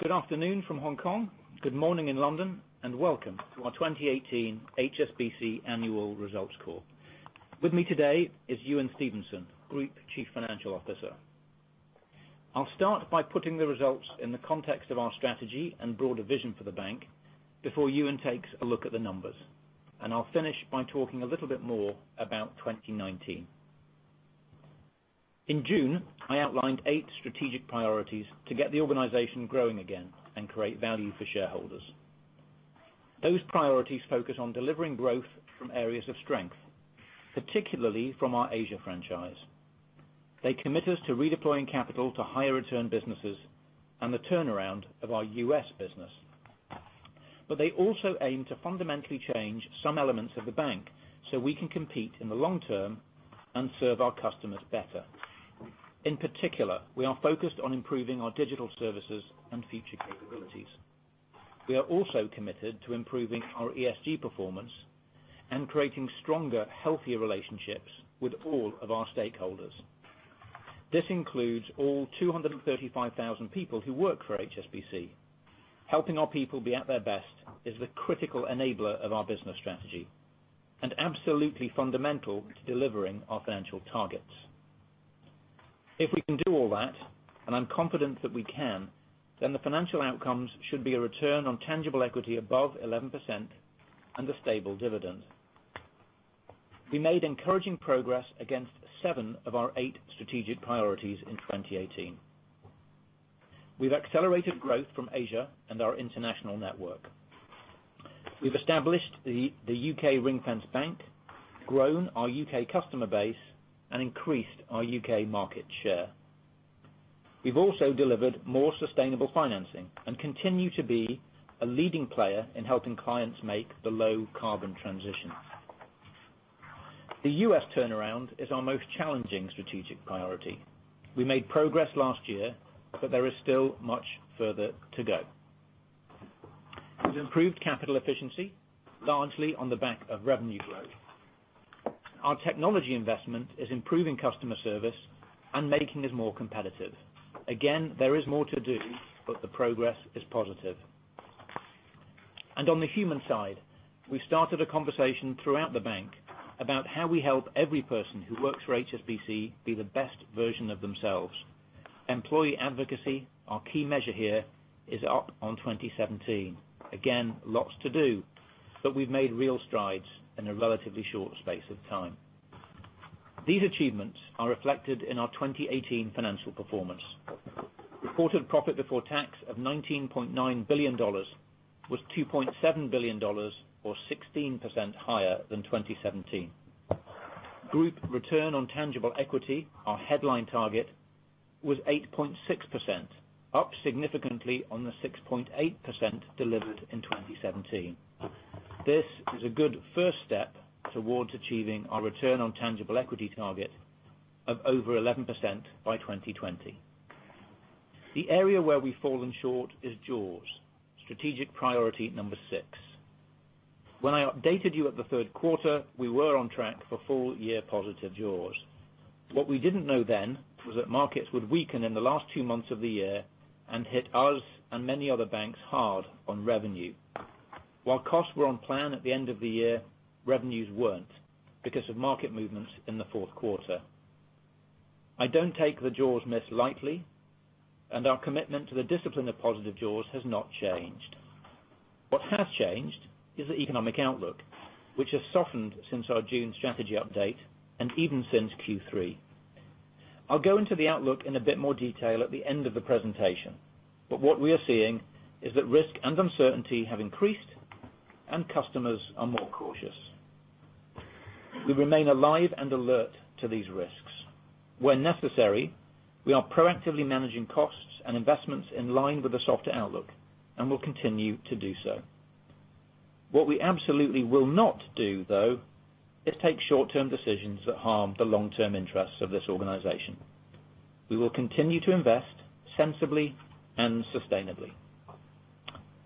Good afternoon from Hong Kong, good morning in London, welcome to our 2018 HSBC Annual Results Call. With me today is Ewen Stevenson, Group Chief Financial Officer. I'll start by putting the results in the context of our strategy and broader vision for the bank before Ewen takes a look at the numbers. I'll finish by talking a little bit more about 2019. In June, I outlined 8 strategic priorities to get the organization growing again and create value for shareholders. Those priorities focus on delivering growth from areas of strength, particularly from our Asia franchise. They commit us to redeploying capital to higher return businesses and the turnaround of our U.S. business. They also aim to fundamentally change some elements of the bank so we can compete in the long term and serve our customers better. In particular, we are focused on improving our digital services and future capabilities. We are also committed to improving our ESG performance and creating stronger, healthier relationships with all of our stakeholders. This includes all 235,000 people who work for HSBC. Helping our people be at their best is the critical enabler of our business strategy, and absolutely fundamental to delivering our financial targets. If we can do all that, and I'm confident that we can, then the financial outcomes should be a return on tangible equity above 11% and a stable dividend. We made encouraging progress against 7 of our 8 strategic priorities in 2018. We've accelerated growth from Asia and our international network. We've established the U.K. ring-fenced bank, grown our U.K. customer base, and increased our U.K. market share. We've also delivered more sustainable financing and continue to be a leading player in helping clients make the low-carbon transition. The U.S. turnaround is our most challenging strategic priority. There is still much further to go. We've improved capital efficiency, largely on the back of revenue growth. Our technology investment is improving customer service and making us more competitive. Again, there is more to do, the progress is positive. On the human side, we started a conversation throughout the bank about how we help every person who works for HSBC be the best version of themselves. Employee advocacy, our key measure here, is up on 2017. Again, lots to do, we've made real strides in a relatively short space of time. These achievements are reflected in our 2018 financial performance. Reported profit before tax of $19.9 billion was $2.7 billion or 16% higher than 2017. Group return on tangible equity, our headline target, was 8.6%, up significantly on the 6.8% delivered in 2017. This is a good first step towards achieving our return on tangible equity target of over 11% by 2020. The area where we've fallen short is Jaws, strategic priority number 6. When I updated you at the third quarter, we were on track for full-year positive Jaws. What we didn't know then was that markets would weaken in the last 2 months of the year and hit us and many other banks hard on revenue. While costs were on plan at the end of the year, revenues weren't because of market movements in the fourth quarter. I don't take the Jaws miss lightly, and our commitment to the discipline of positive Jaws has not changed. What has changed is the economic outlook, which has softened since our June strategy update and even since Q3. I'll go into the outlook in a bit more detail at the end of the presentation, but what we are seeing is that risk and uncertainty have increased and customers are more cautious. We remain alive and alert to these risks. Where necessary, we are proactively managing costs and investments in line with the softer outlook and will continue to do so. What we absolutely will not do, though, is take short-term decisions that harm the long-term interests of this organization. We will continue to invest sensibly and sustainably.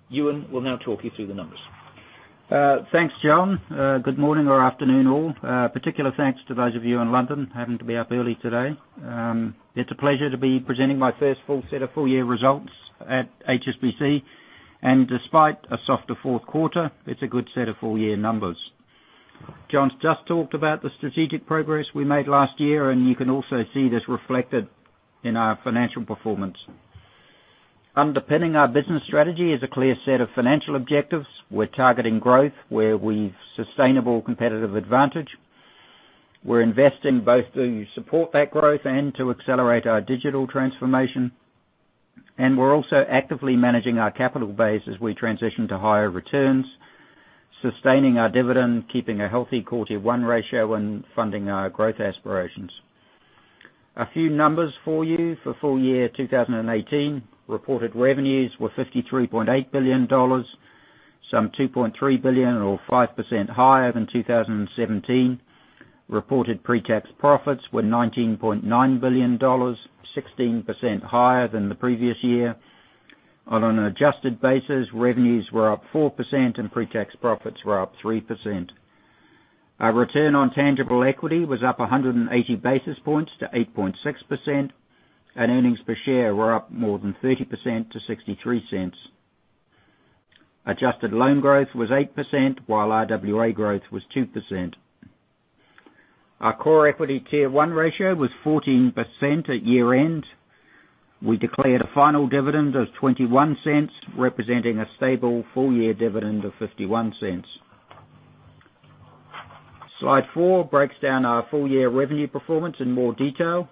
Ewen will now talk you through the numbers. Thanks, John. Good morning or afternoon all. Particular thanks to those of you in London having to be up early today. It's a pleasure to be presenting my first full set of full-year results at HSBC. Despite a softer fourth quarter, it's a good set of full-year numbers. John's just talked about the strategic progress we made last year, you can also see this reflected in our financial performance. Underpinning our business strategy is a clear set of financial objectives. We're targeting growth where we've sustainable competitive advantage. We're investing both to support that growth and to accelerate our digital transformation. We're also actively managing our capital base as we transition to higher returns, sustaining our dividend, keeping a healthy Core Tier 1 ratio, and funding our growth aspirations. A few numbers for you for full-year 2018. Reported revenues were $53.8 billion, some $2.3 billion or 5% higher than 2017. Reported pre-tax profits were $19.9 billion, 16% higher than the previous year. On an adjusted basis, revenues were up 4% and pre-tax profits were up 3%. Our return on tangible equity was up 180 basis points to 8.6%, and earnings per share were up more than 30% to $0.63. Adjusted loan growth was 8%, while RWA growth was 2%. Our core equity Tier 1 ratio was 14% at year-end. We declared a final dividend of $0.21, representing a stable full-year dividend of $0.51. Slide four breaks down our full-year revenue performance in more detail.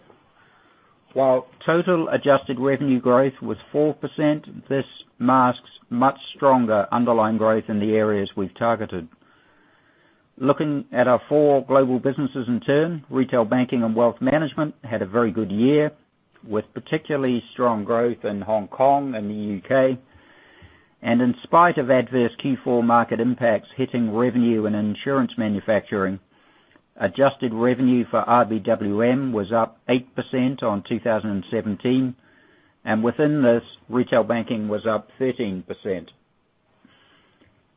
While total adjusted revenue growth was 4%, this masks much stronger underlying growth in the areas we've targeted. Looking at our four global businesses in turn, Retail Banking and Wealth Management had a very good year, with particularly strong growth in Hong Kong and the U.K. In spite of adverse Q4 market impacts hitting revenue and insurance manufacturing, adjusted revenue for RBWM was up 8% on 2017, within this, Retail Banking was up 13%.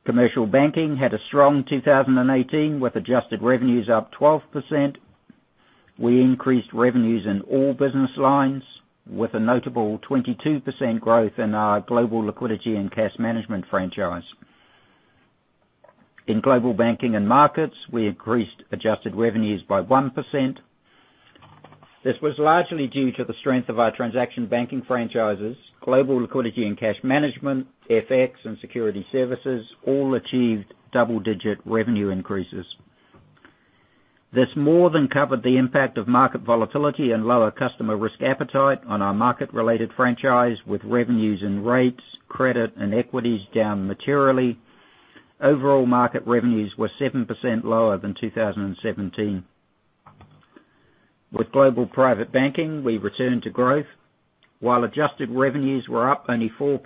Commercial Banking had a strong 2018 with adjusted revenues up 12%. We increased revenues in all business lines with a notable 22% growth in our Global Liquidity and Cash Management franchise. In Global Banking and Markets, we increased adjusted revenues by 1%. This was largely due to the strength of our transaction banking franchises, Global Liquidity and Cash Management, FX and security services, all achieved double-digit revenue increases. This more than covered the impact of market volatility and lower customer risk appetite on our market-related franchise with revenues and rates, credit, and equities down materially. Overall market revenues were 7% lower than 2017. With Global Private Banking, we returned to growth. While adjusted revenues were up only 4%,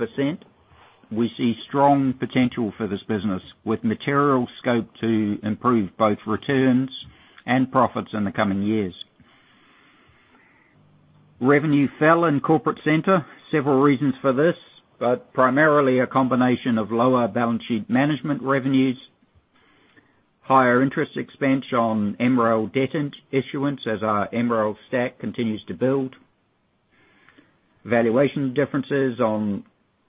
we see strong potential for this business with material scope to improve both returns and profits in the coming years. Revenue fell in Corporate Centre. Several reasons for this, but primarily a combination of lower balance sheet management revenues, higher interest expense on MREL debt issuance as our MREL stack continues to build, valuation differences on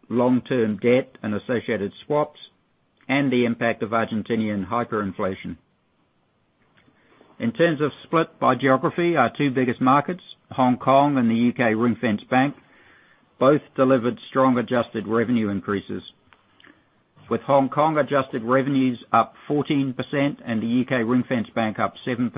long-term debt and associated swaps, and the impact of Argentinian hyperinflation. In terms of split by geography, our two biggest markets, Hong Kong and the UK ring-fenced bank, both delivered strong adjusted revenue increases, with Hong Kong adjusted revenues up 14% and the UK ring-fenced bank up 7%.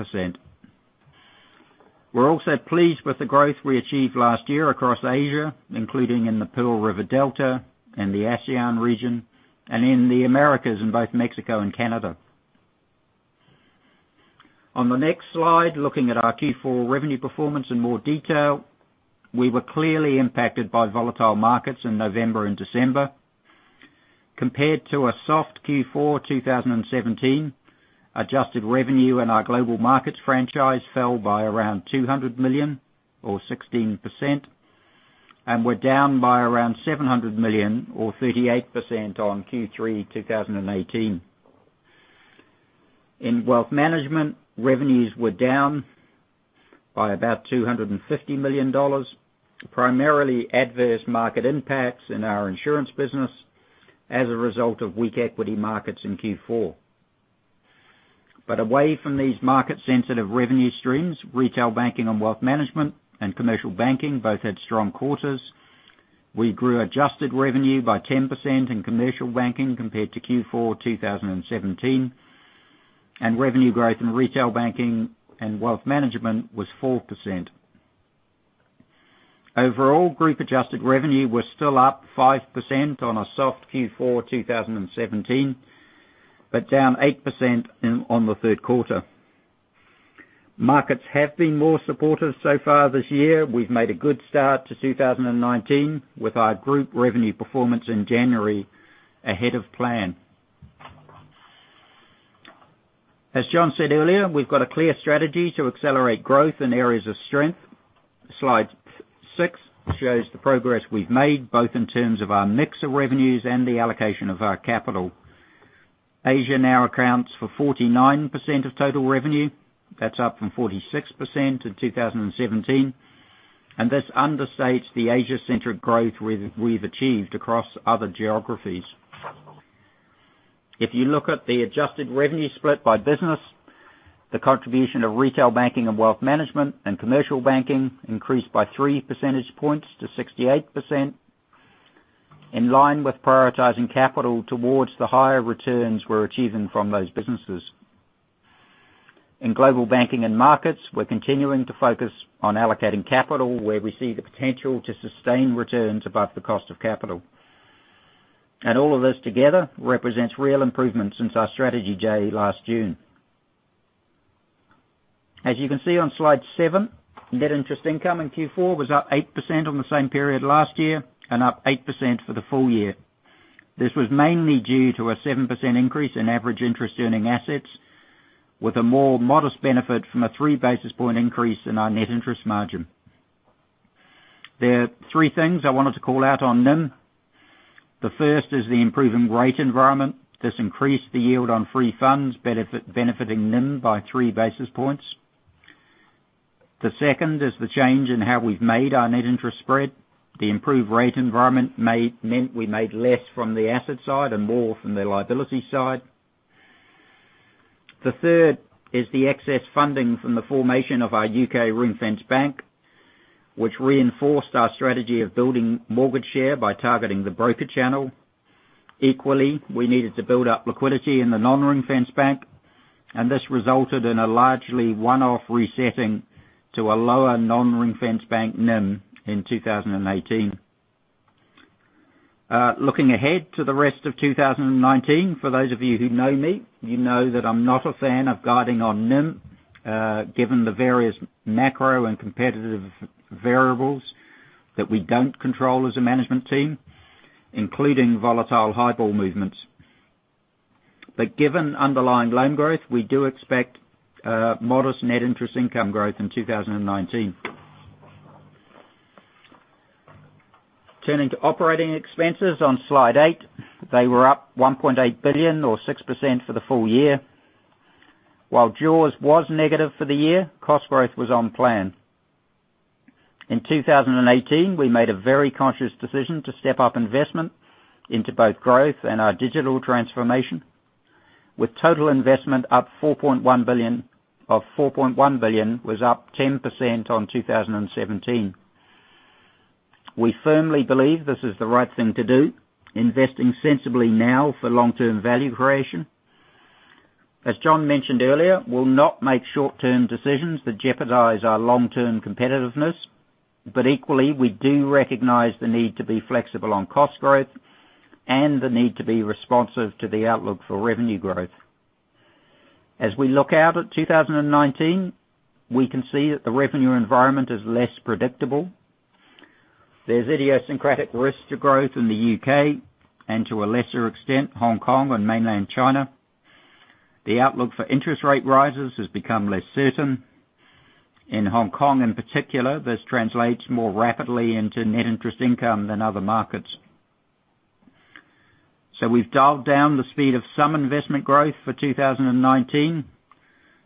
We're also pleased with the growth we achieved last year across Asia, including in the Pearl River Delta and the ASEAN region, and in the Americas in both Mexico and Canada. On the next slide, looking at our Q4 revenue performance in more detail, we were clearly impacted by volatile markets in November and December. Compared to a soft Q4 2017, adjusted revenue in our global markets franchise fell by around $200 million or 16% and were down by around $700 million or 38% on Q3 2018. In wealth management, revenues were down by about $250 million, primarily adverse market impacts in our insurance business as a result of weak equity markets in Q4. Away from these market-sensitive revenue streams, Retail Banking and Wealth Management and Commercial Banking both had strong quarters. We grew adjusted revenue by 10% in Commercial Banking compared to Q4 2017, and revenue growth in Retail Banking and Wealth Management was 4%. Overall, group adjusted revenue was still up 5% on a soft Q4 2017, but down 8% on the third quarter. Markets have been more supportive so far this year. We've made a good start to 2019 with our group revenue performance in January ahead of plan. As John said earlier, we've got a clear strategy to accelerate growth in areas of strength. Slide six shows the progress we've made, both in terms of our mix of revenues and the allocation of our capital. Asia now accounts for 49% of total revenue. That's up from 46% in 2017. This understates the Asia-centric growth we've achieved across other geographies. If you look at the adjusted revenue split by business, the contribution of Retail Banking and Wealth Management and Commercial Banking increased by three percentage points to 68%, in line with prioritizing capital towards the higher returns we're achieving from those businesses. In Global Banking and Markets, we're continuing to focus on allocating capital where we see the potential to sustain returns above the cost of capital. All of this together represents real improvement since our strategy day last June. As you can see on slide seven, net interest income in Q4 was up 8% on the same period last year and up 8% for the full year. This was mainly due to a 7% increase in average interest earning assets with a more modest benefit from a three-basis point increase in our net interest margin. There are three things I wanted to call out on NIM. The first is the improving rate environment. This increased the yield on free funds, benefiting NIM by three basis points. The second is the change in how we've made our net interest spread. The improved rate environment meant we made less from the asset side and more from the liability side. The third is the excess funding from the formation of our U.K. ring-fenced bank, which reinforced our strategy of building mortgage share by targeting the broker channel. Equally, we needed to build up liquidity in the non-ring-fenced bank, and this resulted in a largely one-off resetting to a lower non-ring-fenced bank NIM in 2018. Looking ahead to the rest of 2019, for those of you who know me, you know that I'm not a fan of guiding on NIM, given the various macro and competitive variables that we don't control as a management team, including volatile HIBOR movements. Given underlying loan growth, we do expect modest net interest income growth in 2019. Turning to operating expenses on Slide eight. They were up $1.8 billion or 6% for the full year. While Jaws was negative for the year, cost growth was on plan. In 2018, we made a very conscious decision to step up investment into both growth and our digital transformation, with total investment up $4.1 billion was up 10% on 2017. We firmly believe this is the right thing to do, investing sensibly now for long-term value creation. As John mentioned earlier, we'll not make short-term decisions that jeopardize our long-term competitiveness. Equally, we do recognize the need to be flexible on cost growth and the need to be responsive to the outlook for revenue growth. As we look out at 2019, we can see that the revenue environment is less predictable. There's idiosyncratic risks to growth in the U.K., and to a lesser extent, Hong Kong and mainland China. The outlook for interest rate rises has become less certain. In Hong Kong, in particular, this translates more rapidly into net interest income than other markets. We've dialed down the speed of some investment growth for 2019,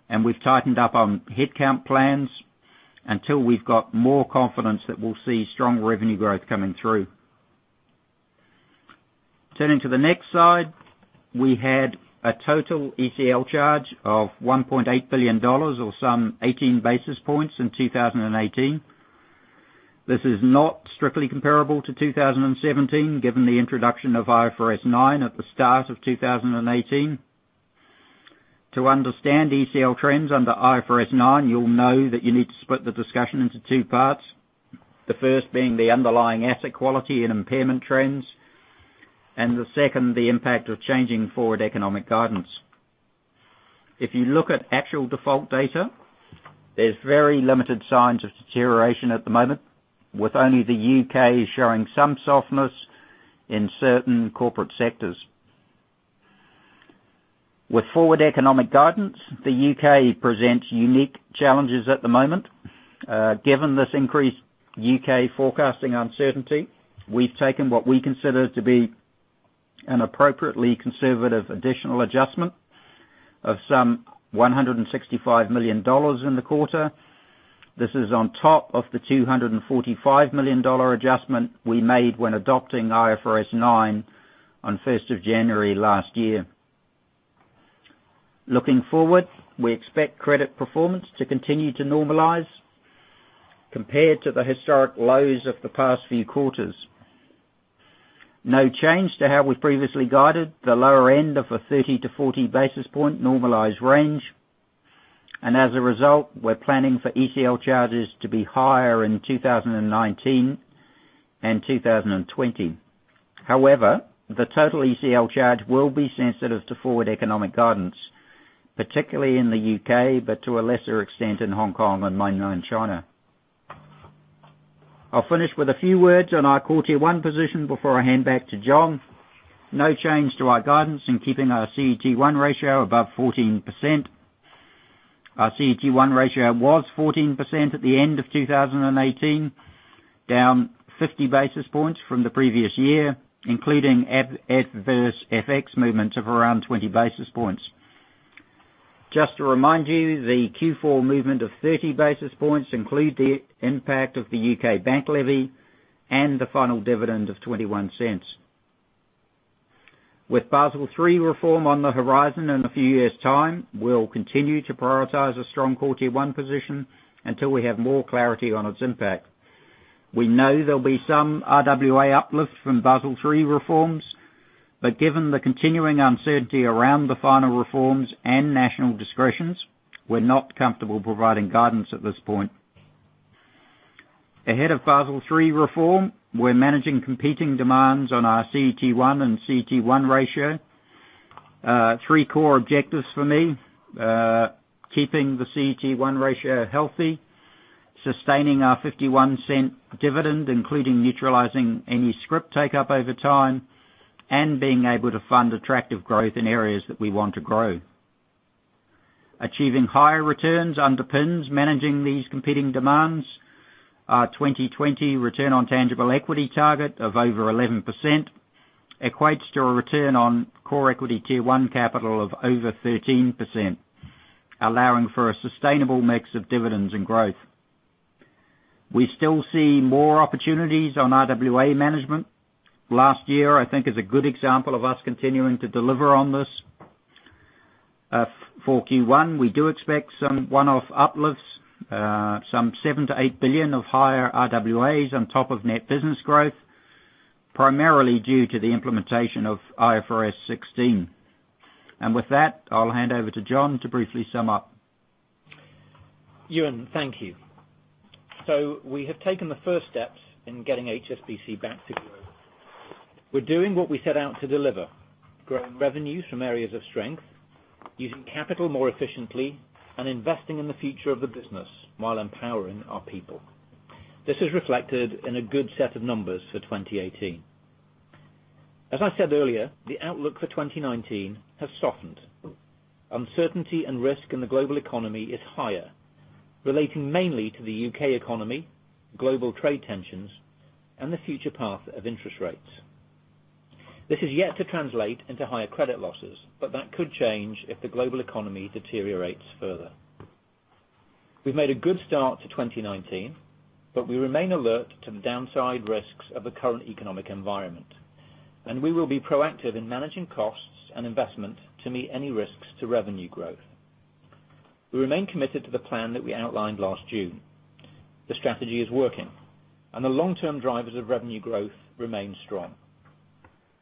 and we've tightened up on headcount plans until we've got more confidence that we'll see strong revenue growth coming through. Turning to the next slide, we had a total ECL charge of $1.8 billion or some 18 basis points in 2018. This is not strictly comparable to 2017, given the introduction of IFRS 9 at the start of 2018. To understand ECL trends under IFRS 9, you'll know that you need to split the discussion into two parts. The first being the underlying asset quality and impairment trends, and the second, the impact of changing forward economic guidance. If you look at actual default data, there's very limited signs of deterioration at the moment, with only the U.K. showing some softness in certain corporate sectors. With forward economic guidance, the U.K. presents unique challenges at the moment. Given this increased U.K. forecasting uncertainty, we've taken what we consider to be an appropriately conservative additional adjustment of some $165 million in the quarter. This is on top of the $245 million adjustment we made when adopting IFRS 9 on 1st of January last year. Looking forward, we expect credit performance to continue to normalize compared to the historic lows of the past few quarters. No change to how we previously guided the lower end of a 30 to 40 basis points normalized range. As a result, we're planning for ECL charges to be higher in 2019 and 2020. The total ECL charge will be sensitive to forward economic guidance, particularly in the U.K., but to a lesser extent in Hong Kong and mainland China. I'll finish with a few words on our quarter one position before I hand back to John. No change to our guidance in keeping our CET1 ratio above 14%. Our CET1 ratio was 14% at the end of 2018, down 50 basis points from the previous year, including adverse FX movements of around 20 basis points. Just to remind you, the Q4 movement of 30 basis points include the impact of the U.K. bank levy and the final dividend of $0.21. With Basel III reform on the horizon in a few years' time, we'll continue to prioritize a strong quarter one position until we have more clarity on its impact. We know there'll be some RWA uplift from Basel III reforms, but given the continuing uncertainty around the final reforms and national discretions, we're not comfortable providing guidance at this point. Ahead of Basel III reform, we're managing competing demands on our CET1 and CET1 ratio. Three core objectives for me: keeping the CET1 ratio healthy, sustaining our $0.51 dividend, including neutralizing any scrip take up over time, and being able to fund attractive growth in areas that we want to grow. Achieving higher returns underpins managing these competing demands. Our 2020 return on tangible equity target of over 11% equates to a return on core equity Tier 1 capital of over 13%, allowing for a sustainable mix of dividends and growth. We still see more opportunities on RWA management. Last year, I think, is a good example of us continuing to deliver on this. For Q1, we do expect some one-off uplifts, some $7 billion to $8 billion of higher RWAs on top of net business growth, primarily due to the implementation of IFRS 16. With that, I'll hand over to John to briefly sum up. Ewen, thank you. We have taken the first steps in getting HSBC back to growth. We're doing what we set out to deliver, growing revenues from areas of strength, using capital more efficiently, and investing in the future of the business while empowering our people. This is reflected in a good set of numbers for 2018. As I said earlier, the outlook for 2019 has softened. Uncertainty and risk in the global economy is higher, relating mainly to the U.K. economy, global trade tensions, and the future path of interest rates. This is yet to translate into higher credit losses, but that could change if the global economy deteriorates further. We've made a good start to 2019, but we remain alert to the downside risks of the current economic environment, and we will be proactive in managing costs and investment to meet any risks to revenue growth. We remain committed to the plan that we outlined last June. The strategy is working, and the long-term drivers of revenue growth remain strong.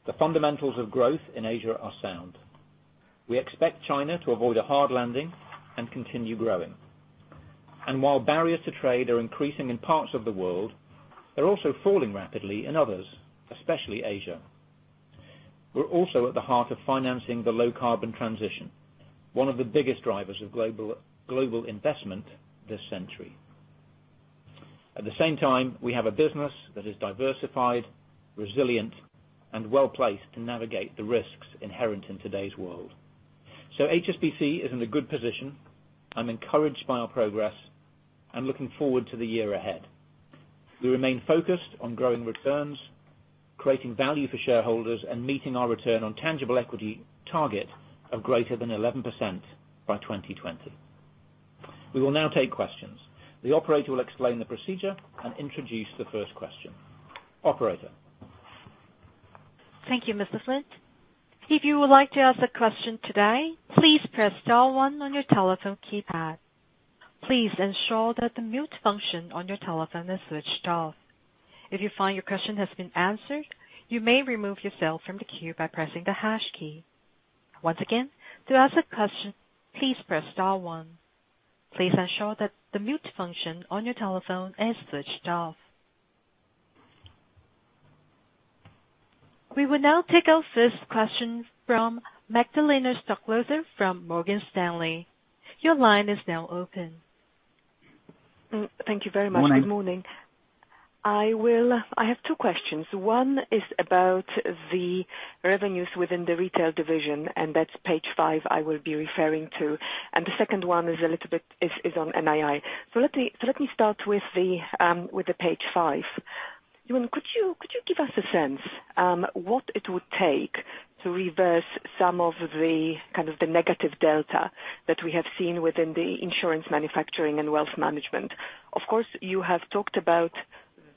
The fundamentals of growth in Asia are sound. We expect China to avoid a hard landing and continue growing. While barriers to trade are increasing in parts of the world, they're also falling rapidly in others, especially Asia. We're also at the heart of financing the low-carbon transition, one of the biggest drivers of global investment this century. At the same time, we have a business that is diversified, resilient, and well-placed to navigate the risks inherent in today's world. HSBC is in a good position. I'm encouraged by our progress and looking forward to the year ahead. We remain focused on growing returns, creating value for shareholders, and meeting our return on tangible equity target of greater than 11% by 2020. We will now take questions. The operator will explain the procedure and introduce the first question. Operator? Thank you, Mr. Flint. If you would like to ask a question today, please press star one on your telephone keypad. Please ensure that the mute function on your telephone is switched off. If you find your question has been answered, you may remove yourself from the queue by pressing the hash key. Once again, to ask a question, please press star one. Please ensure that the mute function on your telephone is switched off. We will now take our first question from Magdalena Stoklosa from Morgan Stanley. Your line is now open. Thank you very much. Morning. Good morning. I have two questions. One is about the revenues within the retail division, and that's page five I will be referring to. The second one is on NII. Let me start with the page five. Ewen, could you give us a sense, what it would take to reverse some of the negative delta that we have seen within the insurance manufacturing and wealth management? You have talked about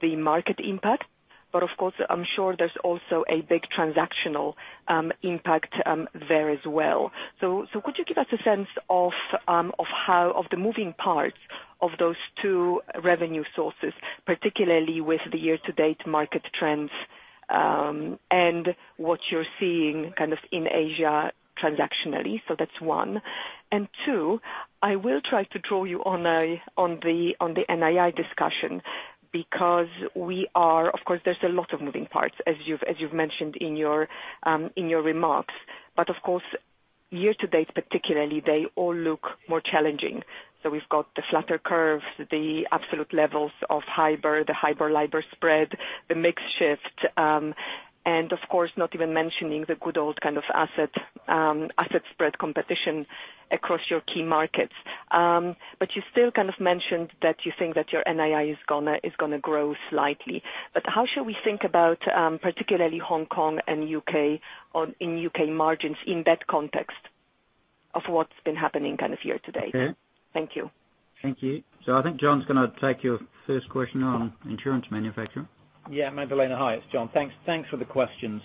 the market impact, but I'm sure there's also a big transactional impact there as well. Could you give us a sense of the moving parts of those two revenue sources, particularly with the year-to-date market trends, and what you're seeing in Asia transactionally? That's one. Two, I will try to draw you on the NII discussion because, of course, there's a lot of moving parts as you've mentioned in your remarks. Year-to-date, particularly, they all look more challenging. We've got the flatter curve, the absolute levels of HIBOR, the HIBOR-LIBOR spread, the mix shift, and of course, not even mentioning the good old asset spread competition across your key markets. You still mentioned that you think that your NII is going to grow slightly. How should we think about, particularly Hong Kong and U.K., in U.K. margins in that context of what's been happening year-to-date? Okay. Thank you. Thank you. I think John's going to take your first question on insurance manufacturing. Magdalena, hi. It's John. Thanks for the questions.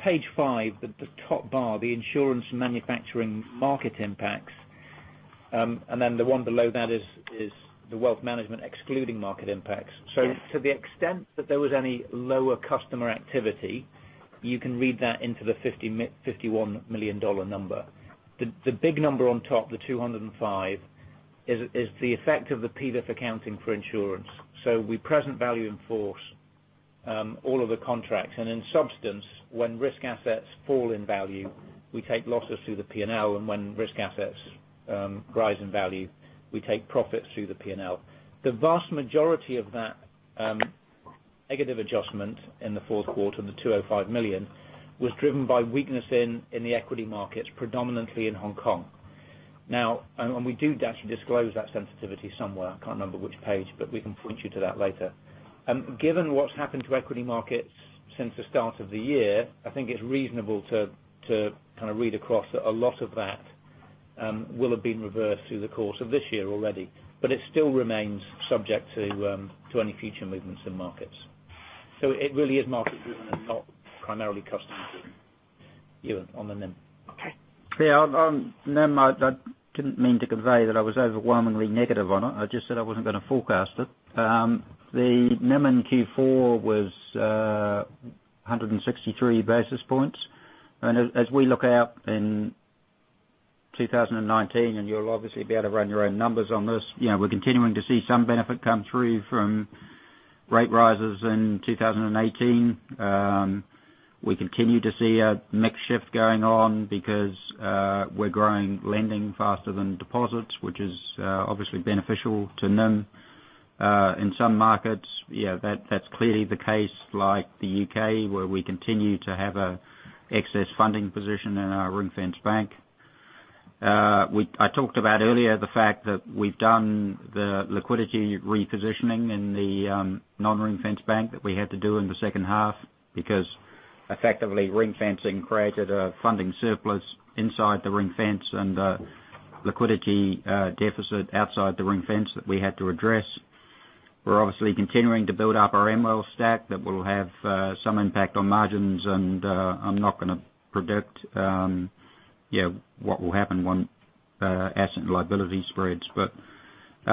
Page five, the top bar, the insurance manufacturing market impacts. The one below that is the Wealth Management excluding market impacts. Yes. To the extent that there was any lower customer activity, you can read that into the $51 million number. The big number on top, the $205, is the effect of the PVIF accounting for insurance. We value of in-force business, all of the contracts. In substance, when risk assets fall in value, we take losses through the P&L, and when risk assets rise in value, we take profits through the P&L. The vast majority of that Negative adjustment in the fourth quarter, the $205 million, was driven by weakness in the equity markets, predominantly in Hong Kong. We do actually disclose that sensitivity somewhere, I can't remember which page, but we can point you to that later. Given what's happened to equity markets since the start of the year, I think it's reasonable to read across that a lot of that will have been reversed through the course of this year already. It still remains subject to any future movements in markets. It really is market-driven and not primarily customer-driven. Ewen, on the NIM. Okay. On NIM, I didn't mean to convey that I was overwhelmingly negative on it. I just said I wasn't going to forecast it. The NIM in Q4 was 163 basis points. As we look out in 2019, and you'll obviously be able to run your own numbers on this, we're continuing to see some benefit come through from rate rises in 2018. We continue to see a mix shift going on because we're growing lending faster than deposits, which is obviously beneficial to NIM. In some markets, that's clearly the case, like the U.K., where we continue to have an excess funding position in our ring-fenced bank. I talked about earlier the fact that we've done the liquidity repositioning in the non-ring-fenced bank that we had to do in the second half, because effectively, ring fencing created a funding surplus inside the ring fence and a liquidity deficit outside the ring fence that we had to address. We're obviously continuing to build up our MREL stack. That will have some impact on margins, and I'm not going to predict what will happen on asset and liability spreads. There's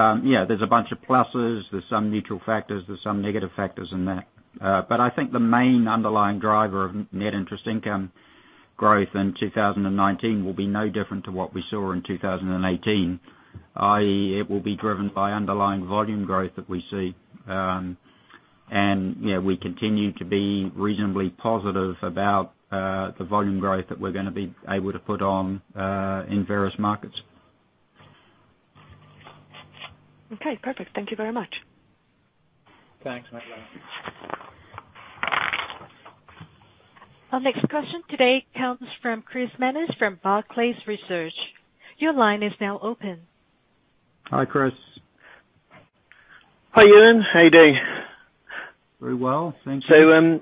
a bunch of pluses, there's some neutral factors, there's some negative factors in that. I think the main underlying driver of net interest income growth in 2019 will be no different to what we saw in 2018, i.e., it will be driven by underlying volume growth that we see. We continue to be reasonably positive about the volume growth that we're going to be able to put on in various markets. Okay, perfect. Thank you very much. Thanks, Magdalena. Our next question today comes from Chris Manners from Barclays Research. Your line is now open. Hi, Chris. Hi, Ewen. How are you doing? Very well. Thank you.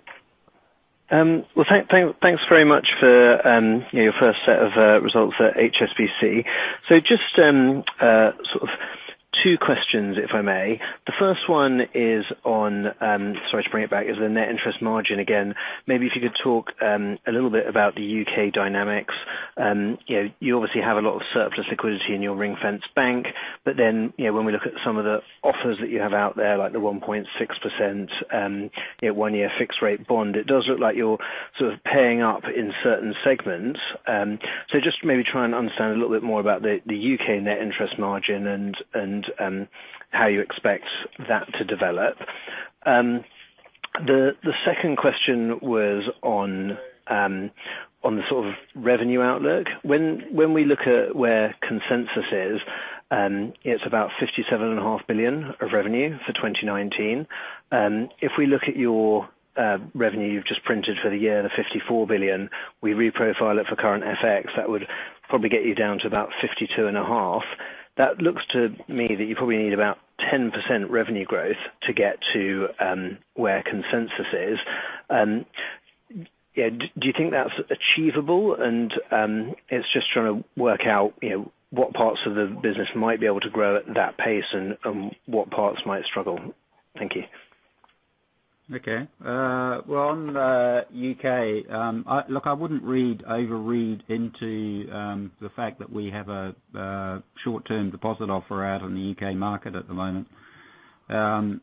Well, thanks very much for your first set of results at HSBC. Just two questions, if I may. The first one is on, sorry to bring it back, is the net interest margin again. Maybe if you could talk a little bit about the U.K. dynamics. You obviously have a lot of surplus liquidity in your ring-fence bank, but then when we look at some of the offers that you have out there, like the 1.6% one-year fixed rate bond, it does look like you are paying up in certain segments. Just maybe try and understand a little bit more about the U.K. net interest margin and how you expect that to develop. The second question was on the revenue outlook. When we look at where consensus is, it is about $57.5 billion of revenue for 2019. If we look at your revenue you have just printed for the year, the $54 billion, we re-profile it for current FX, that would probably get you down to about $52.5 billion. That looks to me that you probably need about 10% revenue growth to get to where consensus is. Do you think that is achievable? It is just trying to work out what parts of the business might be able to grow at that pace and what parts might struggle. Thank you. Okay. Well, on U.K., look, I would not overread into the fact that we have a short-term deposit offer out on the U.K. market at the moment. The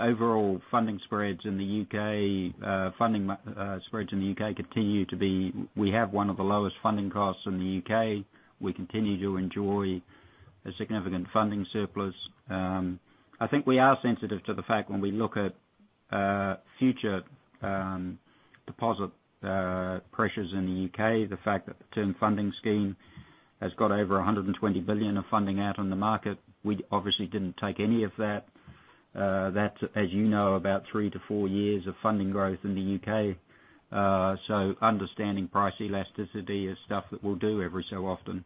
overall funding spreads in the U.K. continue to be. We have one of the lowest funding costs in the U.K. We continue to enjoy a significant funding surplus. I think we are sensitive to the fact when we look at future deposit pressures in the U.K., the fact that the Term Funding Scheme has got over $120 billion of funding out on the market. We obviously did not take any of that. That is, as you know, about three to four years of funding growth in the U.K. Understanding price elasticity is stuff that we will do every so often.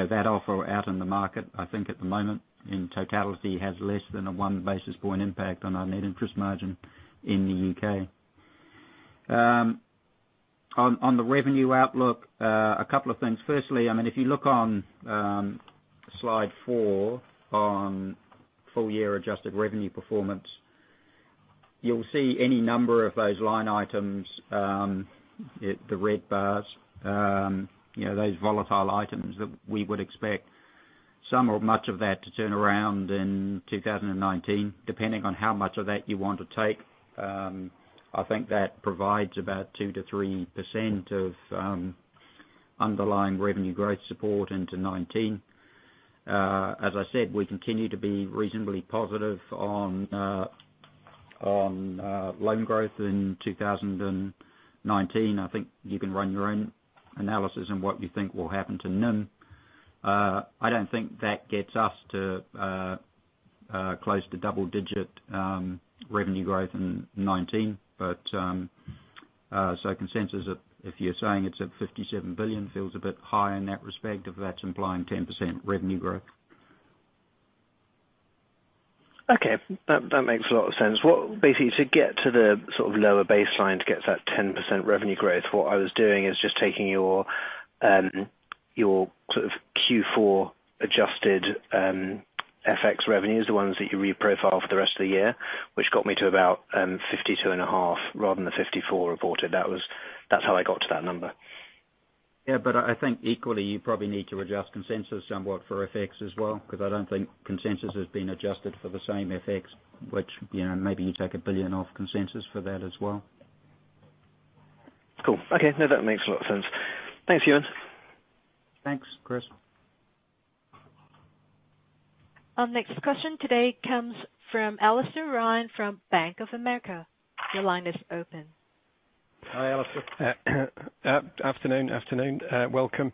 That offer out in the market, I think at the moment, in totality, has less than a one basis point impact on our net interest margin in the U.K. On the revenue outlook, a couple of things. Firstly, if you look on slide four, on full-year adjusted revenue performance, you will see any number of those line items, the red bars, those volatile items that we would expect some or much of that to turn around in 2019, depending on how much of that you want to take. I think that provides about 2%-3% of underlying revenue growth support into 2019. As I said, we continue to be reasonably positive on loan growth in 2019. I think you can run your own analysis on what you think will happen to NIM. I do not think that gets us close to double-digit revenue growth in 2019. Consensus, if you're saying it's at $57 billion, feels a bit high in that respect if that's implying 10% revenue growth. Okay. That makes a lot of sense. Basically, to get to the lower baseline to get to that 10% revenue growth, what I was doing is just taking your Q4 adjusted FX revenues, the ones that you reprofiled for the rest of the year, which got me to about $52.5 billion rather than the $54 billion reported. That's how I got to that number. Yeah. I think equally, you probably need to adjust consensus somewhat for FX as well, because I don't think consensus has been adjusted for the same FX. Which maybe you take $1 billion off consensus for that as well. Cool. Okay. That makes a lot of sense. Thanks, Ewen. Thanks, Chris. Our next question today comes from Alastair Ryan from Bank of America. Your line is open. Hi, Alastair. Afternoon. Welcome.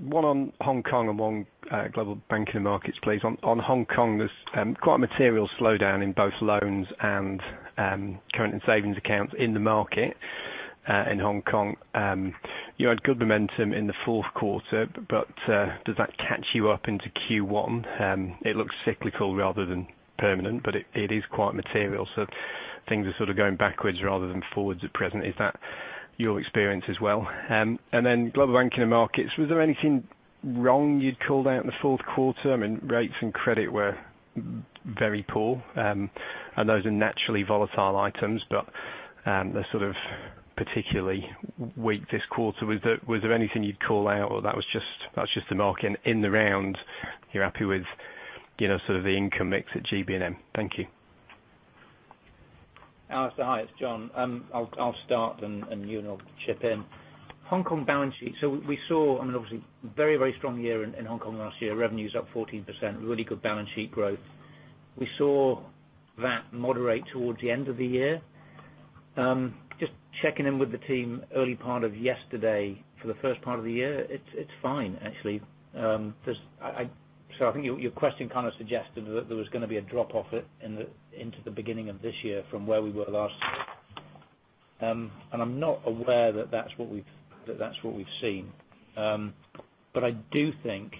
One on Hong Kong and one Global Banking and Markets, please. On Hong Kong, there's quite a material slowdown in both loans and current and savings accounts in the market, in Hong Kong. You had good momentum in the fourth quarter, but does that catch you up into Q1? It looks cyclical rather than permanent, but it is quite material. Things are sort of going backwards rather than forwards at present. Is that your experience as well? Global Banking and Markets. Was there anything wrong you'd call out in the fourth quarter? I mean, rates and credit were very poor. Those are naturally volatile items, but they're sort of particularly weak this quarter. Was there anything you'd call out or that's just the market in the round you're happy with sort of the income mix at GBM? Thank you. Alastair, hi. It's John. I'll start and Ewen will chip in. Hong Kong balance sheet. We saw, obviously, very strong year in Hong Kong last year. Revenues up 14%. Really good balance sheet growth. We saw that moderate towards the end of the year. Just checking in with the team early part of yesterday for the first part of the year, it's fine, actually. I think your question kind of suggested that there was going to be a drop-off into the beginning of this year from where we were last. I'm not aware that that's what we've seen. I do think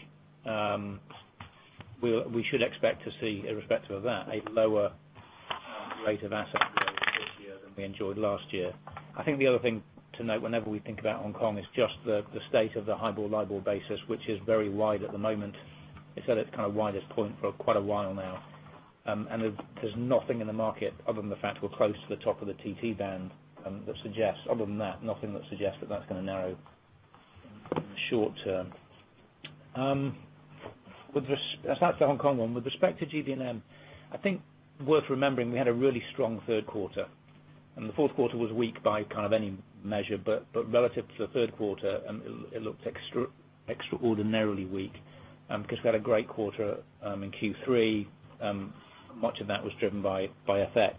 we should expect to see, irrespective of that, a lower rate of asset growth this year than we enjoyed last year. I think the other thing to note whenever we think about Hong Kong is just the state of the HIBOR-LIBOR basis, which is very wide at the moment. It's at its kind of widest point for quite a while now. There's nothing in the market, other than the fact we're close to the top of the CET1 band, other than that, nothing that suggests that that's going to narrow short term. That's the Hong Kong one. With respect to GBNM, I think worth remembering, we had a really strong third quarter. The fourth quarter was weak by kind of any measure, but relative to the third quarter, it looked extraordinarily weak, because we had a great quarter in Q3. Much of that was driven by FX.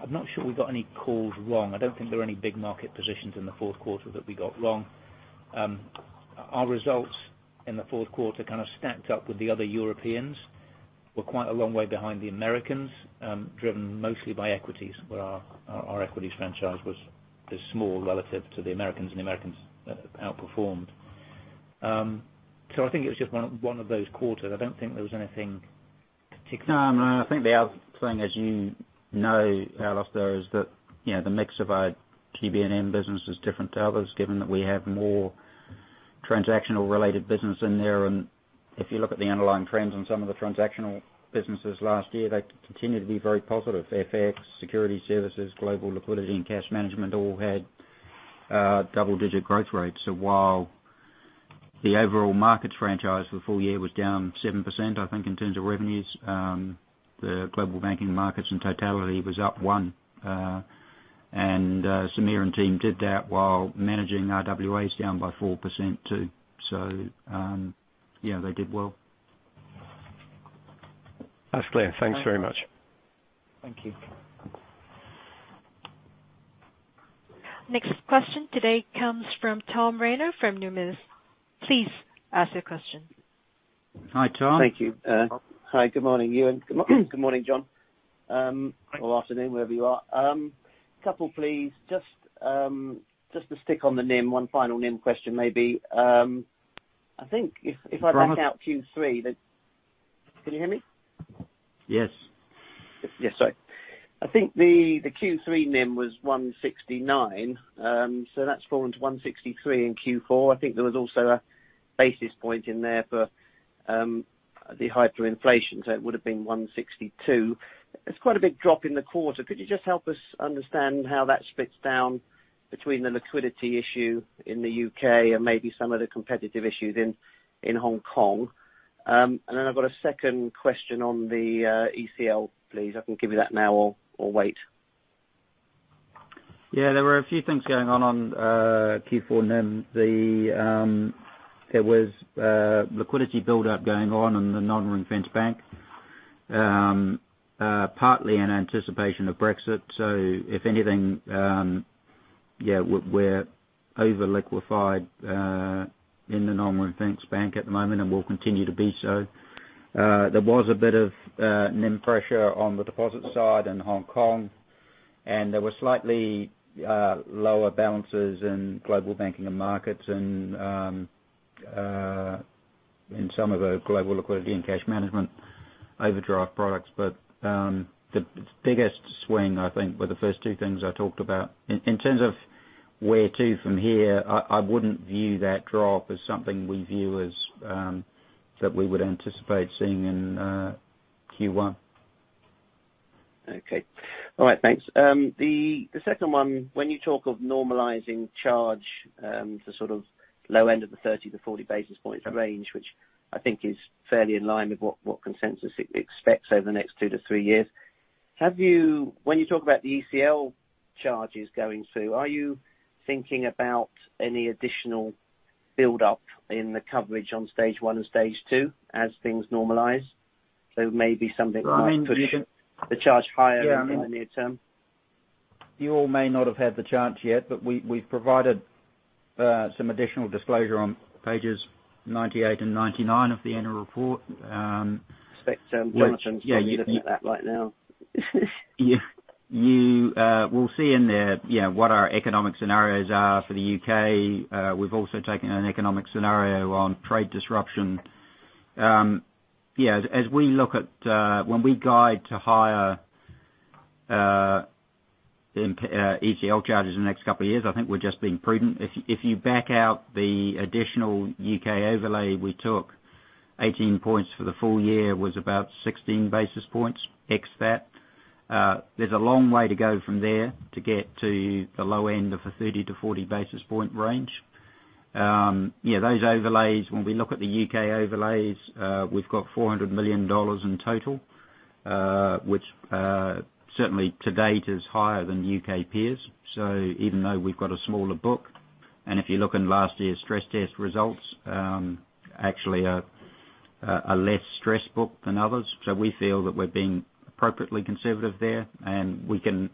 I'm not sure we've got any calls wrong. I don't think there are any big market positions in the fourth quarter that we got wrong. Our results in the fourth quarter kind of stacked up with the other Europeans. We're quite a long way behind the Americans, driven mostly by equities, where our equities franchise is small relative to the Americans, and the Americans outperformed. I think it was just one of those quarters. I don't think there was anything particular. No. I think the other thing, as you know, Alastair, is that the mix of our GBNM business is different to others, given that we have more transactional related business in there. If you look at the underlying trends on some of the transactional businesses last year, they continue to be very positive. FX, security services, Global Liquidity and Cash Management all had double-digit growth rates. While the overall markets franchise for the full year was down 7%, I think, in terms of revenues, the Global Banking and Markets in totality was up $1. Samir and team did that while managing our RWAs down by 4%, too. Yeah, they did well. That's clear. Thanks very much. Thank you. Next question today comes from Tom Rayner from Numis. Please ask your question. Hi, Tom. Thank you. Hi, good morning, Ewen. Good morning, John. Hi. Or afternoon, wherever you are. Couple, please. Just to stick on the NIM, one final NIM question, maybe. I think if I back out Q3, can you hear me? Yes. Yeah, sorry. I think the Q3 NIM was 169, so that's fallen to 163 in Q4. I think there was also a basis point in there for the hyperinflation, so it would've been 162. It's quite a big drop in the quarter. Could you just help us understand how that splits down between the liquidity issue in the U.K. and maybe some of the competitive issues in Hong Kong? Then I've got a second question on the ECL, please. I can give you that now or wait. Yeah, there were a few things going on Q4 NIM. There was liquidity buildup going on in the non-ring-fenced bank partly in anticipation of Brexit. If anything, we're over-liquefied in the non-ring-fenced bank at the moment, and we'll continue to be so. There was a bit of NIM pressure on the deposit side in Hong Kong, and there were slightly lower balances in Global Banking and Markets and in some of the Global Liquidity and Cash Management overdraft products. The biggest swing, I think, were the first two things I talked about. In terms of where to from here, I wouldn't view that drop as something we view that we would anticipate seeing in Q1. Okay. All right. Thanks. The second one, when you talk of normalizing charge, the low end of the 30-40 basis points range, which I think is fairly in line with what consensus expects over the next 2-3 years. When you talk about the ECL charges going through, are you thinking about any additional build-up in the coverage on stage 1 and stage 2 as things normalize? Maybe something might push the charge higher in the near term. You all may not have had the chance yet, we've provided some additional disclosure on pages 98 and 99 of the annual report. I expect Jonathan's probably looking at that right now. You will see in there what our economic scenarios are for the U.K. We've also taken an economic scenario on trade disruption. When we guide to higher ECL charges in the next couple of years, I think we're just being prudent. If you back out the additional U.K. overlay we took, 18 points for the full year was about 16 basis points, ex that. There's a long way to go from there to get to the low end of the 30-40 basis point range. Those overlays, when we look at the U.K. overlays, we've got $400 million in total, which certainly to date is higher than U.K. peers. Even though we've got a smaller book, and if you look in last year's stress test results, actually a less stressed book than others. We feel that we're being appropriately conservative there, and we can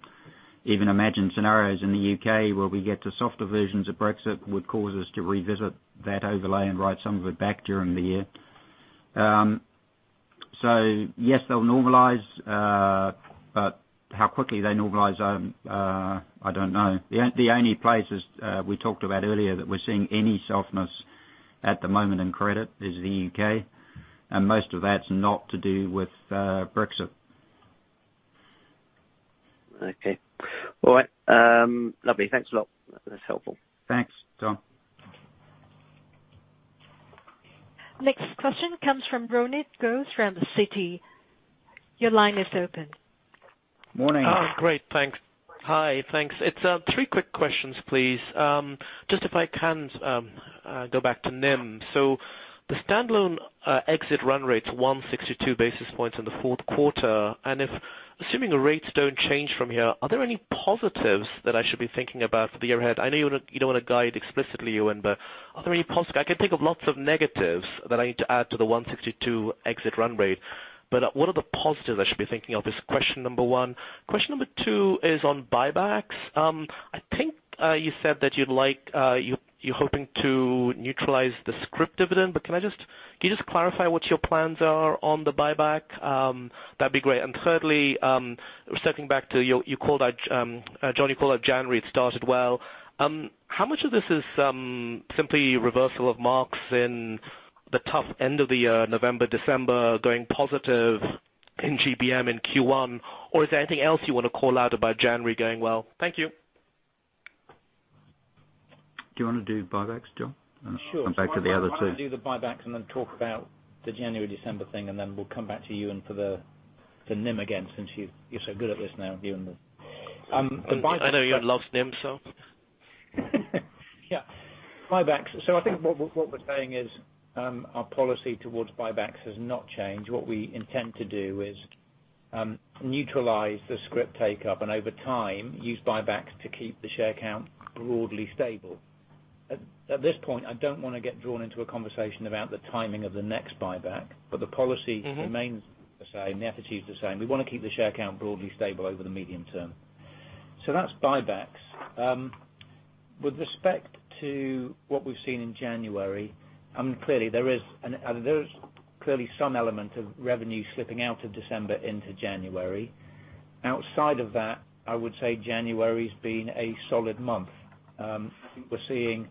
even imagine scenarios in the U.K. where we get to softer versions of Brexit would cause us to revisit that overlay and write some of it back during the year. Yes, they'll normalize, but how quickly they normalize, I don't know. The only places we talked about earlier that we're seeing any softness at the moment in credit is the U.K., and most of that's not to do with Brexit. Lovely. Thanks a lot. That's helpful. Thanks. Tom. Next question comes from Ronit Ghose from Citi. Your line is open. Morning. Great, thanks. Hi, thanks. It's three quick questions, please. Just if I can go back to NIM. The standalone exit run rate's 162 basis points in the fourth quarter. Assuming the rates don't change from here, are there any positives that I should be thinking about for the year ahead? I know you don't want to guide explicitly, Ewen, but are there any positives? I can think of lots of negatives that I need to add to the 162 exit run rate, but what are the positives I should be thinking of, is question number 1. Question number 2 is on buybacks. I think you said that you're hoping to neutralize the scrip dividend. Can you just clarify what your plans are on the buyback? That'd be great. Thirdly, stepping back to John, you called out January, it started well. How much of this is simply reversal of marks in the tough end of the year, November, December, going positive in GBM in Q1? Is there anything else you want to call out about January going well? Thank you. Do you want to do buybacks, John? Sure. Come back to the other two. Why don't I do the buybacks and then talk about the January, December thing, and then we'll come back to you, Ewen, for the NIM again, since you're so good at this now, you. I know Ewen loves NIM. Yeah. Buybacks. I think what we're saying is our policy towards buybacks has not changed. What we intend to do is neutralize the scrip take-up, and over time, use buybacks to keep the share count broadly stable. At this point, I don't want to get drawn into a conversation about the timing of the next buyback, the policy remains the same, the attitude's the same. We want to keep the share count broadly stable over the medium term. That's buybacks. With respect to what we've seen in January, there is clearly some element of revenue slipping out of December into January. Outside of that, I would say January's been a solid month. I think we're seeing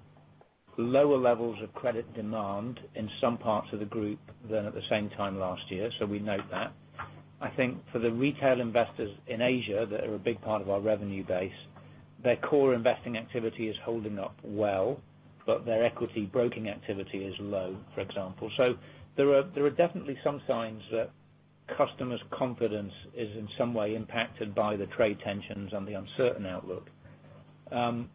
lower levels of credit demand in some parts of the group than at the same time last year. We note that. I think for the retail investors in Asia that are a big part of our revenue base, their core investing activity is holding up well, their equity broking activity is low, for example. There are definitely some signs that customers' confidence is in some way impacted by the trade tensions and the uncertain outlook. The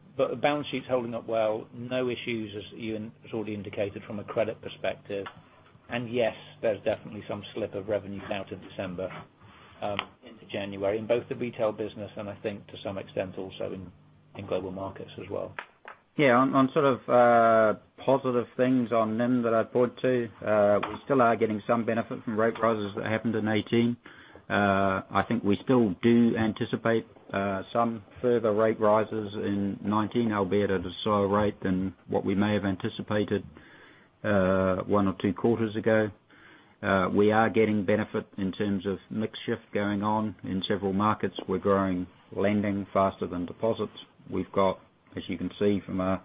balance sheet's holding up well. No issues, as Ewen has already indicated from a credit perspective. Yes, there's definitely some slip of revenues out of December into January, in both the retail business, and I think to some extent also in global markets as well. On sort of positive things on NIM that I thought too, we still are getting some benefit from rate rises that happened in 2018. I think we still do anticipate some further rate rises in 2019, albeit at a slower rate than what we may have anticipated one or two quarters ago. We are getting benefit in terms of mix shift going on in several markets. We are growing lending faster than deposits. We have got, as you can see from our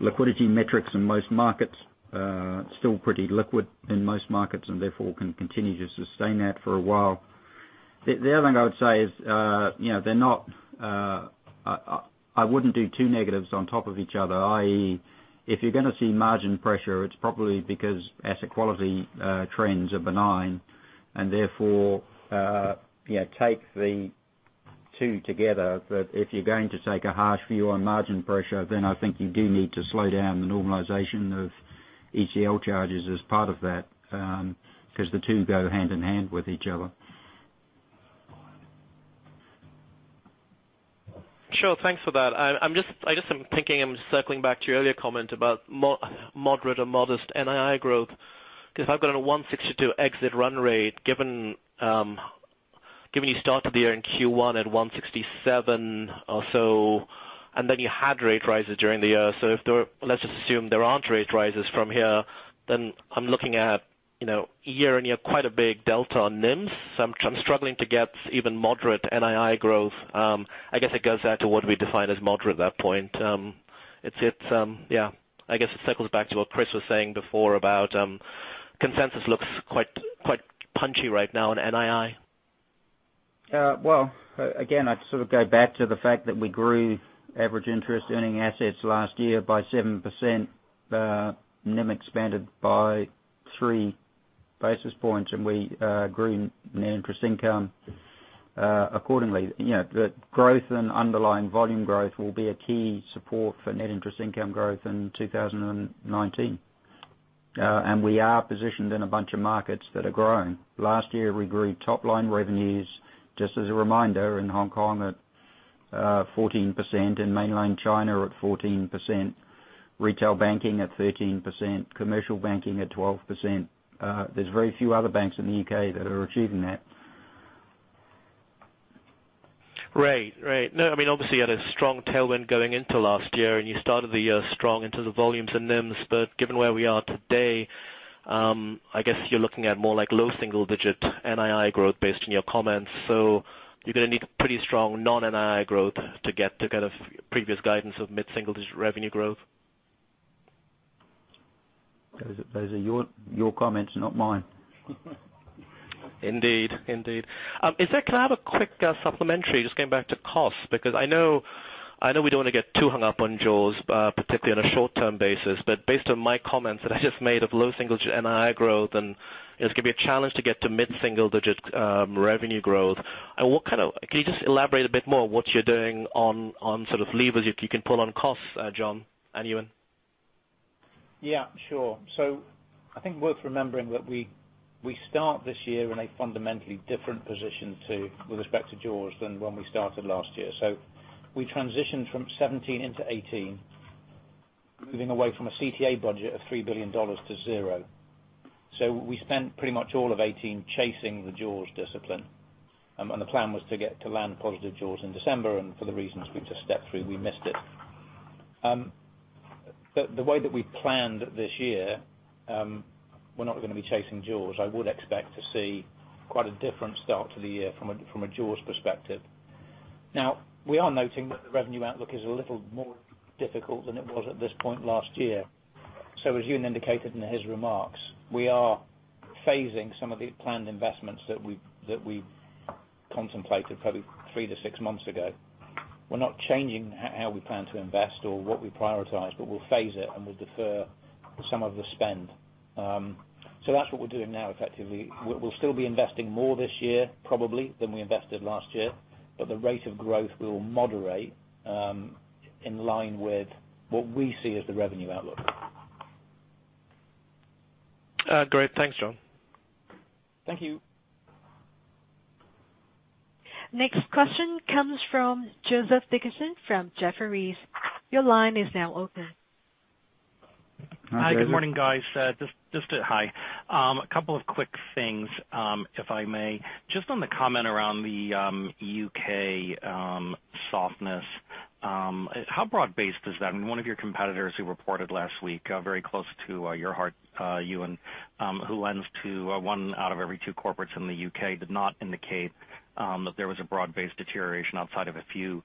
liquidity metrics in most markets, still pretty liquid in most markets, and therefore, can continue to sustain that for a while. The other thing I would say is, I would not do two negatives on top of each other, i.e., if you are going to see margin pressure, it is probably because asset quality trends are benign, and therefore, take the two together. If you are going to take a harsh view on margin pressure, then I think you do need to slow down the normalization of ECL charges as part of that, because the two go hand in hand with each other. Sure. Thanks for that. I guess I am thinking, I am circling back to your earlier comment about moderate or modest NII growth, because I have got a $162 exit run rate, given you started the year in Q1 at $167 or so, and then you had rate rises during the year. If there, let us just assume there are not rate rises from here, then I am looking at year and you have quite a big delta on NIMs. I am struggling to get even moderate NII growth. I guess it goes out to what we define as moderate at that point. I guess it circles back to what Chris was saying before about consensus looks quite punchy right now in NII. Again, I would sort of go back to the fact that we grew average interest earning assets last year by 7%. NIM expanded by three basis points, and we grew net interest income accordingly. The growth and underlying volume growth will be a key support for net interest income growth in 2019. We are positioned in a bunch of markets that are growing. Last year, we grew top-line revenues, just as a reminder, in Hong Kong at 14%, in mainland China at 14%, Retail Banking at 13%, Commercial Banking at 12%. There is very few other banks in the U.K. that are achieving that. Right. Obviously, you had a strong tailwind going into last year, and you started the year strong into the volumes and NIMs, but given where we are today, I guess you're looking at more low single-digit NII growth based on your comments. You're going to need pretty strong non-NII growth to get to kind of previous guidance of mid-single-digit revenue growth. Those are your comments, not mine. Indeed. Can I have a quick supplementary just going back to costs? I know we don't want to get too hung up on Jaws, particularly on a short-term basis, based on my comments that I just made of low single-digit NII growth, it's going to be a challenge to get to mid-single-digit revenue growth. Can you just elaborate a bit more what you're doing on sort of levers you can pull on costs, John, any of them? Yeah, sure. I think worth remembering that we start this year in a fundamentally different position with respect to Jaws than when we started last year. We transitioned from 2017 into 2018, moving away from a CTA budget of $3 billion to 0. We spent pretty much all of 2018 chasing the Jaws discipline. The plan was to get to land positive Jaws in December, for the reasons we just stepped through, we missed it. The way that we planned this year, we're not going to be chasing Jaws. I would expect to see quite a different start to the year from a Jaws perspective. We are noting that the revenue outlook is a little more difficult than it was at this point last year. As Ewen indicated in his remarks, we are phasing some of the planned investments that we contemplated probably three to six months ago. We're not changing how we plan to invest or what we prioritize, but we'll phase it, and we'll defer some of the spend. That's what we're doing now, effectively. We'll still be investing more this year, probably, than we invested last year, but the rate of growth will moderate in line with what we see as the revenue outlook. Great. Thanks, John. Thank you. Next question comes from Joseph Dickerson from Jefferies. Your line is now open. Hi, Joseph. Hi, good morning, guys. Just a hi. A couple of quick things, if I may. Just on the comment around the U.K. softness. How broad-based is that? One of your competitors who reported last week, very close to your heart, Ewen, who lends to one out of every two corporates in the U.K., did not indicate that there was a broad-based deterioration outside of a few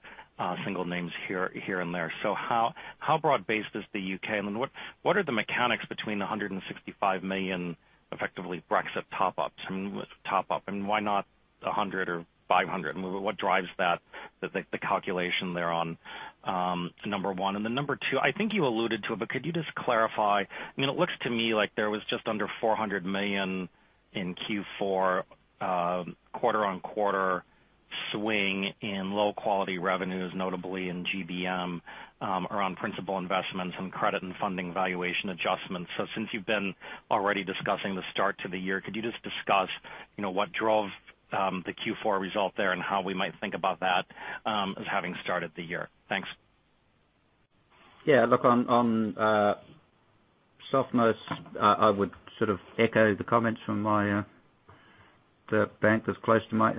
single names here and there. How broad-based is the U.K., and what are the mechanics between the $165 million, effectively, Brexit top-up? Why not $100 or $500? What drives the calculation there on number one? Number two, I think you alluded to it, but could you just clarify. It looks to me like there was just under $400 million in Q4 quarter-on-quarter being in low-quality revenues, notably in GBM, around principal investments and credit and funding valuation adjustments. Since you've been already discussing the start to the year, could you just discuss what drove the Q4 result there and how we might think about that as having started the year? Thanks. Yeah. Look, onsoftness, I would sort of echo the comments from the bank that's close to mine,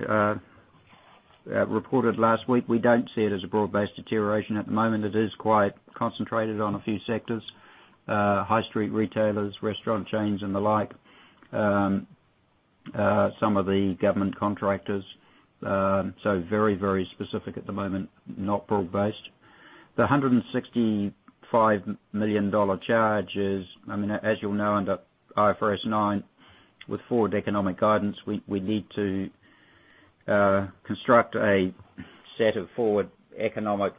reported last week. We don't see it as a broad-based deterioration at the moment. It is quite concentrated on a few sectors, high street retailers, restaurant chains and the like, some of the government contractors. Very specific at the moment, not broad-based. The $165 million charge is, as you'll know, under IFRS 9, with forward economic guidance, we need to construct a set of forward economic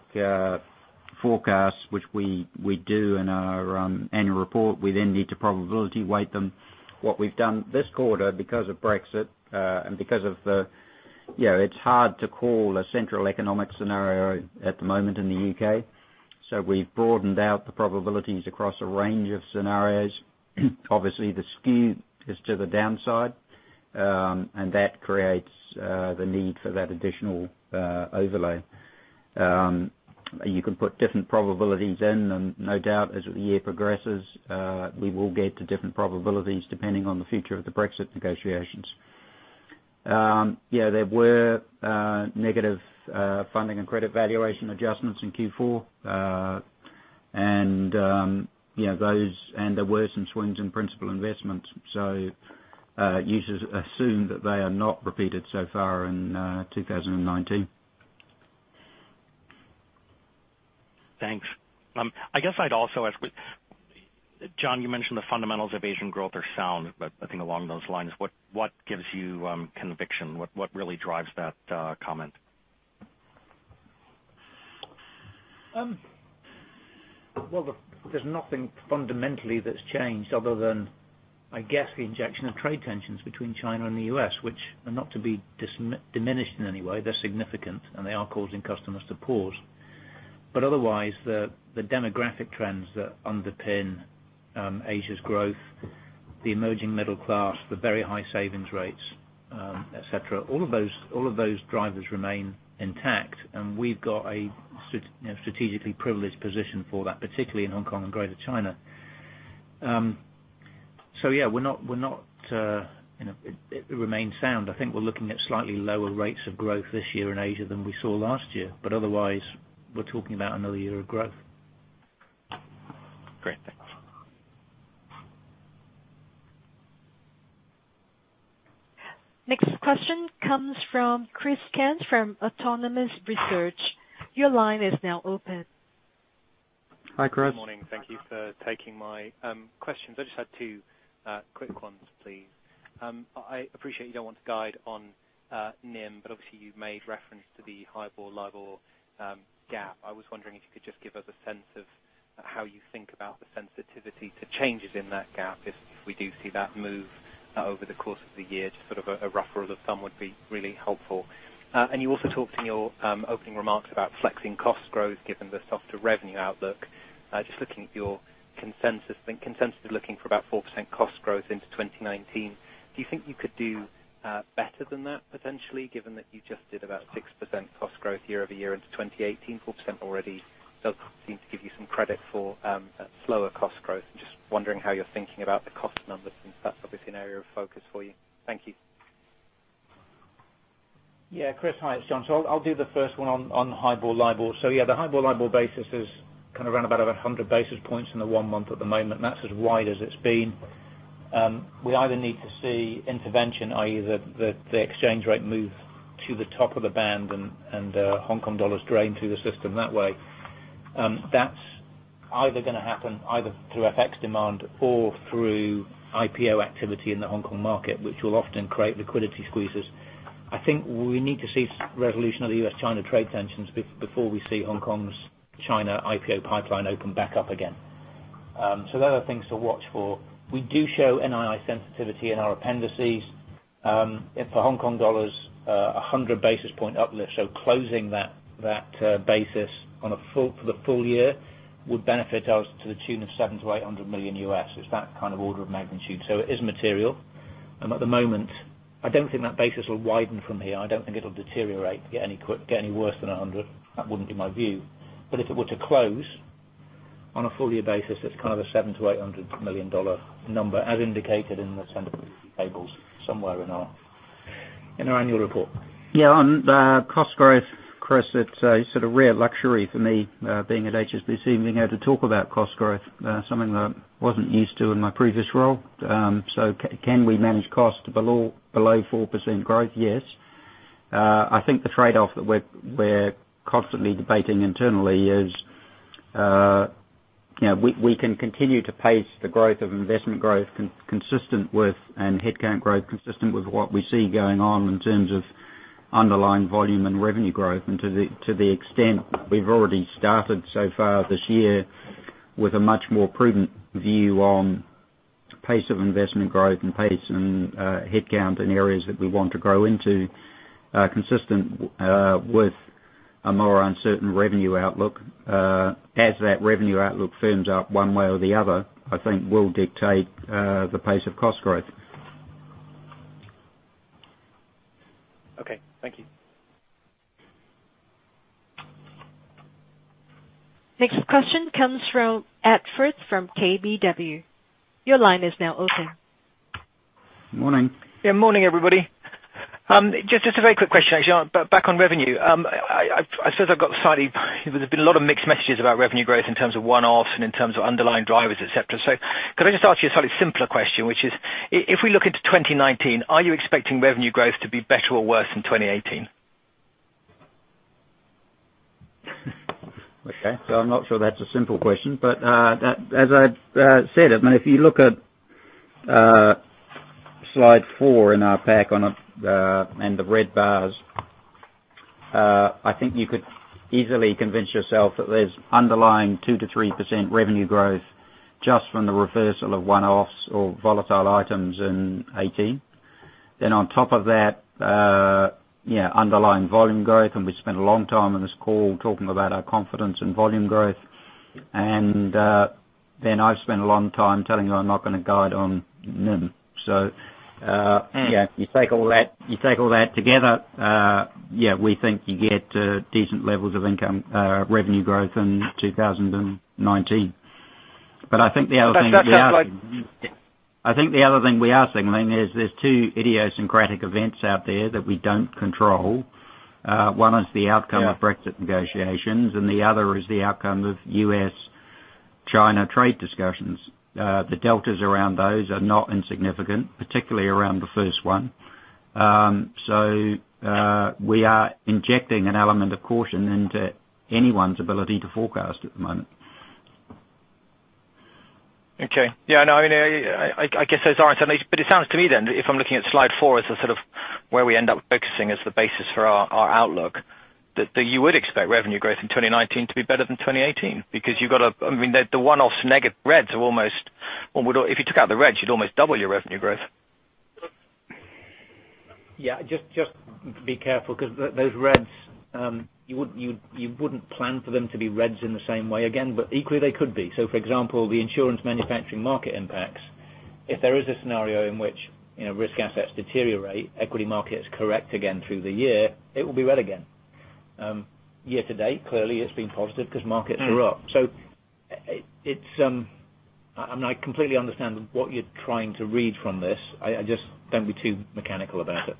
forecasts, which we do in our annual report. We then need to probability weight them. What we've done this quarter, because of Brexit, and because of the It's hard to call a central economic scenario at the moment in the U.K. We've broadened out the probabilities across a range of scenarios. Obviously, the skew is to the downside, and that creates the need for that additional overlay. You can put different probabilities in. No doubt as the year progresses, we will get to different probabilities depending on the future of the Brexit negotiations. There were negative funding and credit valuation adjustments in Q4. There were some swings in principal investments. Users assume that they are not repeated so far in 2019. Thanks. I guess I'd also ask, John, you mentioned the fundamentals of Asian growth are sound. I think along those lines, what gives you conviction? What really drives that comment? There's nothing fundamentally that's changed other than, I guess, the injection of trade tensions between China and the U.S., which are not to be diminished in any way. They're significant. They are causing customers to pause. Otherwise, the demographic trends that underpin Asia's growth, the emerging middle class, the very high savings rates, et cetera, all of those drivers remain intact. We've got a strategically privileged position for that, particularly in Hong Kong and Greater China. It remains sound. I think we're looking at slightly lower rates of growth this year in Asia than we saw last year. Otherwise, we're talking about another year of growth. Great. Thanks. Next question comes from Christopher Cant from Autonomous Research. Your line is now open. Hi, Chris. Good morning. Thank you for taking my questions. I just had two quick ones, please. I appreciate you don't want to guide on NIM, obviously, you've made reference to the HIBOR-LIBOR gap. I was wondering if you could just give us a sense of how you think about the sensitivity to changes in that gap, if we do see that move over the course of the year. Just sort of a rough rule of thumb would be really helpful. You also talked in your opening remarks about flexing cost growth given the softer revenue outlook. Just looking at your consensus, I think consensus is looking for about 4% cost growth into 2019. Do you think you could do better than that potentially, given that you just did about 6% cost growth year-over-year into 2018? 4% already does seem to give you some credit for slower cost growth. I'm just wondering how you're thinking about the cost numbers, since that's obviously an area of focus for you. Thank you. Chris, hi. It's John. I'll do the first one on HIBOR-LIBOR. The HIBOR-LIBOR basis is kind of around about 100 basis points in the one month at the moment. That's as wide as it's been. We either need to see intervention, i.e., the exchange rate move to the top of the band and Hong Kong dollars drain through the system that way. That's either going to happen either through FX demand or through IPO activity in the Hong Kong market, which will often create liquidity squeezes. I think we need to see resolution of the U.S.-China trade tensions before we see Hong Kong's China IPO pipeline open back up again. Those are things to watch for. We do show NII sensitivity in our appendices. If the Hong Kong dollar's 100 basis point uplift, closing that basis for the full year would benefit us to the tune of $700 million-$800 million. It's that kind of order of magnitude. It is material. At the moment, I don't think that basis will widen from here. I don't think it will deteriorate, get any worse than 100. That wouldn't be my view. If it were to close on a full year basis, it's kind of a $700 million-$800 million number, as indicated in the tables somewhere in our annual report. On cost growth, Chris, it's a sort of rare luxury for me, being at HSBC and being able to talk about cost growth. Something that I wasn't used to in my previous role. Can we manage cost below 4% growth? Yes. I think the trade-off that we're constantly debating internally is, we can continue to pace the growth of investment growth and headcount growth consistent with what we see going on in terms of underlying volume and revenue growth. To the extent we've already started so far this year with a much more prudent view on pace of investment growth and pace in headcount in areas that we want to grow into are consistent with a more uncertain revenue outlook. As that revenue outlook firms up one way or the other, I think will dictate the pace of cost growth. Okay. Thank you. Next question comes from Ed Firth from KBW. Your line is now open. Morning. Yeah. Morning, everybody. Just a very quick question, actually. Back on revenue. I suppose there's been a lot of mixed messages about revenue growth in terms of one-offs and in terms of underlying drivers, et cetera. Could I just ask you a slightly simpler question, which is, if we look into 2019, are you expecting revenue growth to be better or worse than 2018? Okay. I'm not sure that's a simple question, as I said, if you look at slide four in our pack and the red bars, I think you could easily convince yourself that there's underlying 2%-3% revenue growth just from the reversal of one-offs or volatile items in 2018. On top of that, underlying volume growth, we spent a long time on this call talking about our confidence in volume growth. I've spent a long time telling you I'm not going to guide on NIM. You take all that together, yeah, we think you get decent levels of income revenue growth in 2019. I think the other thing we are That's like I think the other thing we are signaling is there's two idiosyncratic events out there that we don't control. One is the outcome- Yeah of Brexit negotiations, and the other is the outcome of U.S.-China trade discussions. The deltas around those are not insignificant, particularly around the first one. We are injecting an element of caution into anyone's ability to forecast at the moment. Okay. Yeah, I know. I guess those are uncertainties. It sounds to me then, if I'm looking at slide four as the sort of where we end up focusing as the basis for our outlook, that you would expect revenue growth in 2019 to be better than 2018. You've got the one-off negative reds are almost If you took out the reds, you'd almost double your revenue growth. Just be careful because those reds, you wouldn't plan for them to be reds in the same way again. Equally, they could be. For example, the insurance manufacturing market impacts. If there is a scenario in which risk assets deteriorate, equity markets correct again through the year, it will be red again. Year to date, clearly it's been positive because markets are up. I completely understand what you're trying to read from this. Just don't be too mechanical about it.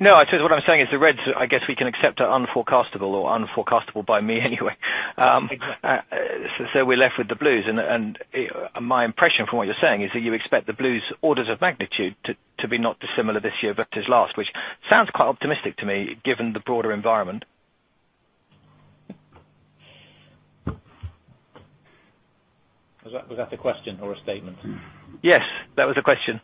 No. What I'm saying is the reds, I guess we can accept are unforecastable or unforecastable by me anyway. Exactly. We're left with the blues, and my impression from what you're saying is that you expect the blues orders of magnitude to be not dissimilar this year versus last, which sounds quite optimistic to me given the broader environment. Was that a question or a statement? Yes, that was a question.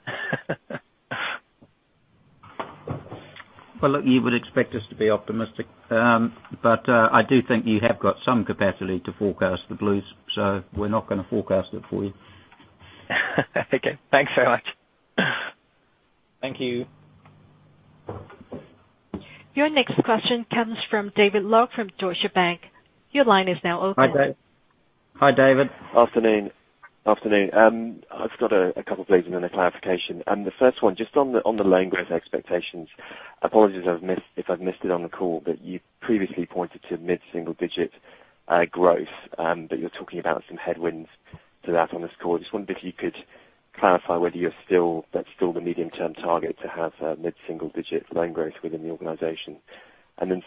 Well, look, you would expect us to be optimistic. I do think you have got some capacity to forecast the blues. We're not going to forecast it for you. Okay. Thanks so much. Thank you. Your next question comes from David Lock from Deutsche Bank. Your line is now open. Hi, David. Hi, David. Afternoon. I've got a couple, please. Then a clarification. The first one, just on the loan growth expectations. Apologies if I've missed it on the call, but you previously pointed to mid-single digit growth. You're talking about some headwinds to that on this call. Just wondering if you could clarify whether that's still the medium-term target to have mid-single digit loan growth within the organization.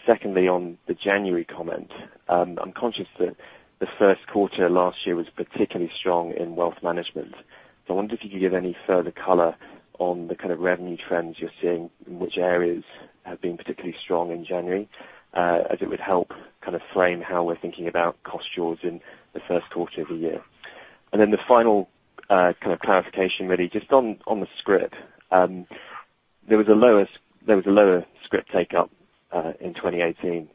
Secondly, on the January comment. I'm conscious that the first quarter last year was particularly strong in wealth management. I wonder if you could give any further color on the kind of revenue trends you're seeing, and which areas have been particularly strong in January, as it would help frame how we're thinking about cost Jaws in the first quarter of the year. The final kind of clarification, really, just on the scrip. There was a lower scrip take-up in 2018.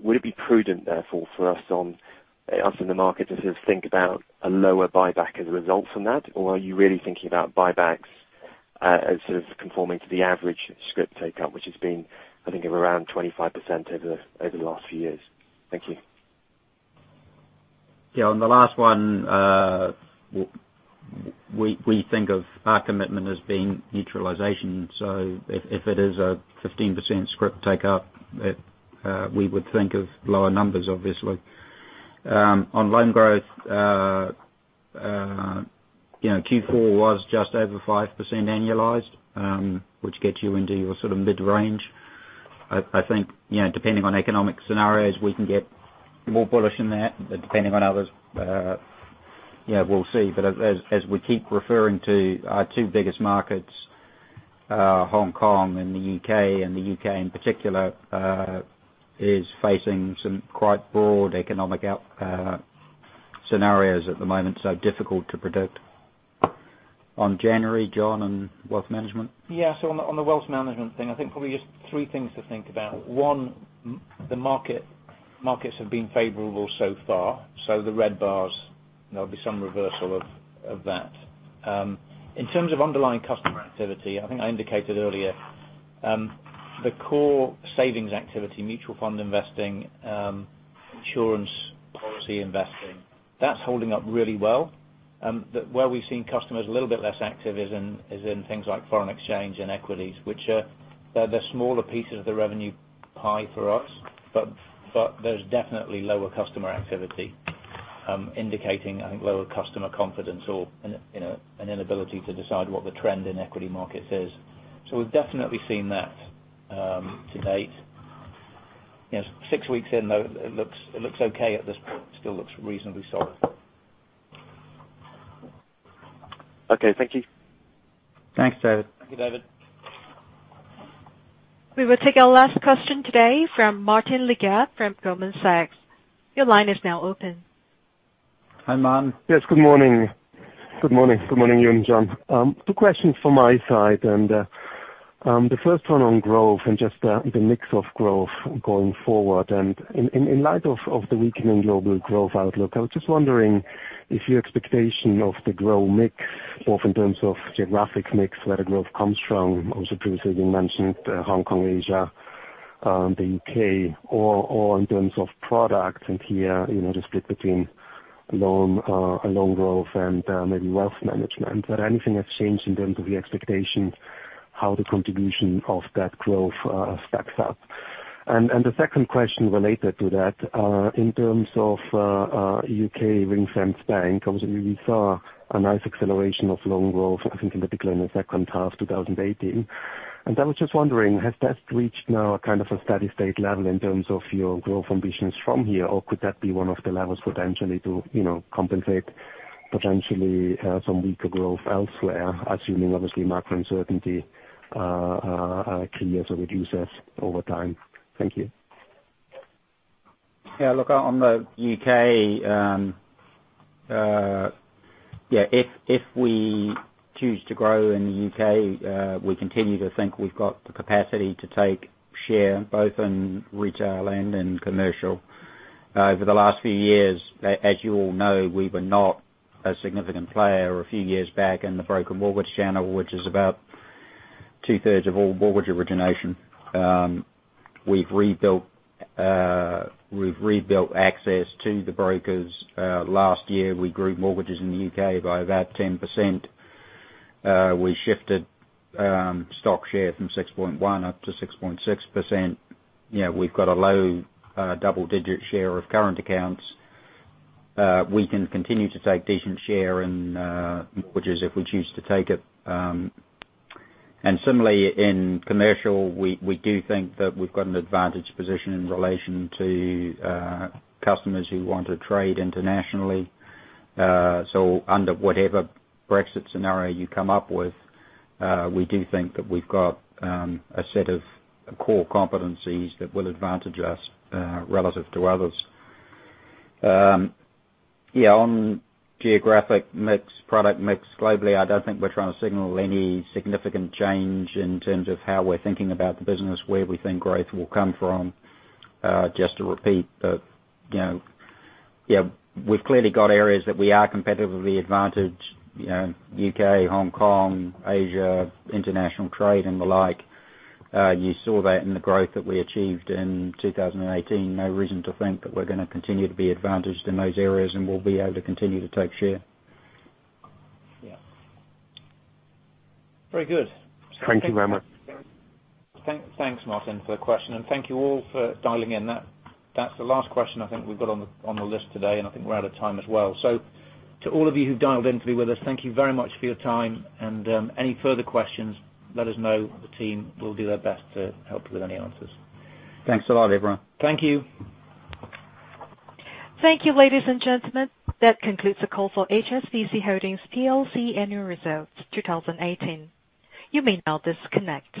Would it be prudent, therefore, for us in the market to think about a lower buyback as a result from that? Are you really thinking about buybacks as sort of conforming to the average scrip take-up, which has been, I think, around 25% over the last few years? Thank you. Yeah, on the last one, we think of our commitment as being neutralization. If it is a 15% scrip take-up, we would think of lower numbers, obviously. On loan growth, Q4 was just over 5% annualized, which gets you into your sort of mid-range. I think, depending on economic scenarios, we can get more bullish in that, but depending on others, we'll see. As we keep referring to our two biggest markets, Hong Kong and the U.K. The U.K. in particular, is facing some quite broad economic scenarios at the moment, so difficult to predict. On January, John, and wealth management? On the wealth management thing, I think probably just three things to think about. One, the markets have been favorable so far. The red bars, there'll be some reversal of that. In terms of underlying customer activity, I think I indicated earlier, the core savings activity, mutual fund investing, insurance policy investing, that's holding up really well. Where we've seen customers a little bit less active is in things like foreign exchange and equities, which are the smaller pieces of the revenue pie for us. There's definitely lower customer activity, indicating, I think, lower customer confidence or an inability to decide what the trend in equity markets is. We've definitely seen that to date. Six weeks in, though, it looks okay at this point. Still looks reasonably solid. Okay. Thank you. Thanks, David. Thank you, David. We will take our last question today from Martin Leitgeb from Goldman Sachs. Your line is now open. Hi, Martin. Yes, good morning. Good morning, Ewen and John. Two questions from my side. The first one on growth and just the mix of growth going forward. In light of the weakening global growth outlook, I was just wondering if your expectation of the growth mix, both in terms of geographic mix, where the growth comes from. Also previously you mentioned Hong Kong, Asia, the U.K., or in terms of products and the split between loan growth and maybe wealth management. Anything that's changed in terms of the expectations, how the contribution of that growth stacks up? The second question related to that, in terms of U.K. ring-fenced bank, obviously, we saw a nice acceleration of loan growth, I think in particular in the second half 2018. I was just wondering, has that reached now a kind of a steady state level in terms of your growth ambitions from here? Could that be one of the levers potentially to compensate potentially some weaker growth elsewhere, assuming obviously macro uncertainty clears or reduces over time? Thank you. Yeah. Look, on the U.K., if we choose to grow in the U.K., we continue to think we've got the capacity to take share, both in Retail and in Commercial. Over the last few years, as you all know, we were not a significant player a few years back in the broker mortgage channel, which is about two-thirds of all mortgage origination. We've rebuilt access to the brokers. Last year, we grew mortgages in the U.K. by about 10%. We shifted stock share from 6.1 up to 6.6%. We've got a low double-digit share of current accounts. We can continue to take decent share in mortgages if we choose to take it. Similarly, in Commercial, we do think that we've got an advantage position in relation to customers who want to trade internationally. Under whatever Brexit scenario you come up with, we do think that we've got a set of core competencies that will advantage us relative to others. On geographic mix, product mix globally, I don't think we're trying to signal any significant change in terms of how we're thinking about the business, where we think growth will come from. Just to repeat that we've clearly got areas that we are competitively advantaged, U.K., Hong Kong, Asia, international trade, and the like. You saw that in the growth that we achieved in 2018. No reason to think that we're going to continue to be advantaged in those areas, and we'll be able to continue to take share. Yeah. Very good. Thank you very much. Thanks, Martin, for the question. Thank you all for dialing in. That's the last question I think we've got on the list today, and I think we're out of time as well. To all of you who've dialed in to be with us, thank you very much for your time, and any further questions, let us know. The team will do their best to help you with any answers. Thanks a lot, everyone. Thank you. Thank you, ladies and gentlemen. That concludes the call for HSBC Holdings plc annual results 2018. You may now disconnect.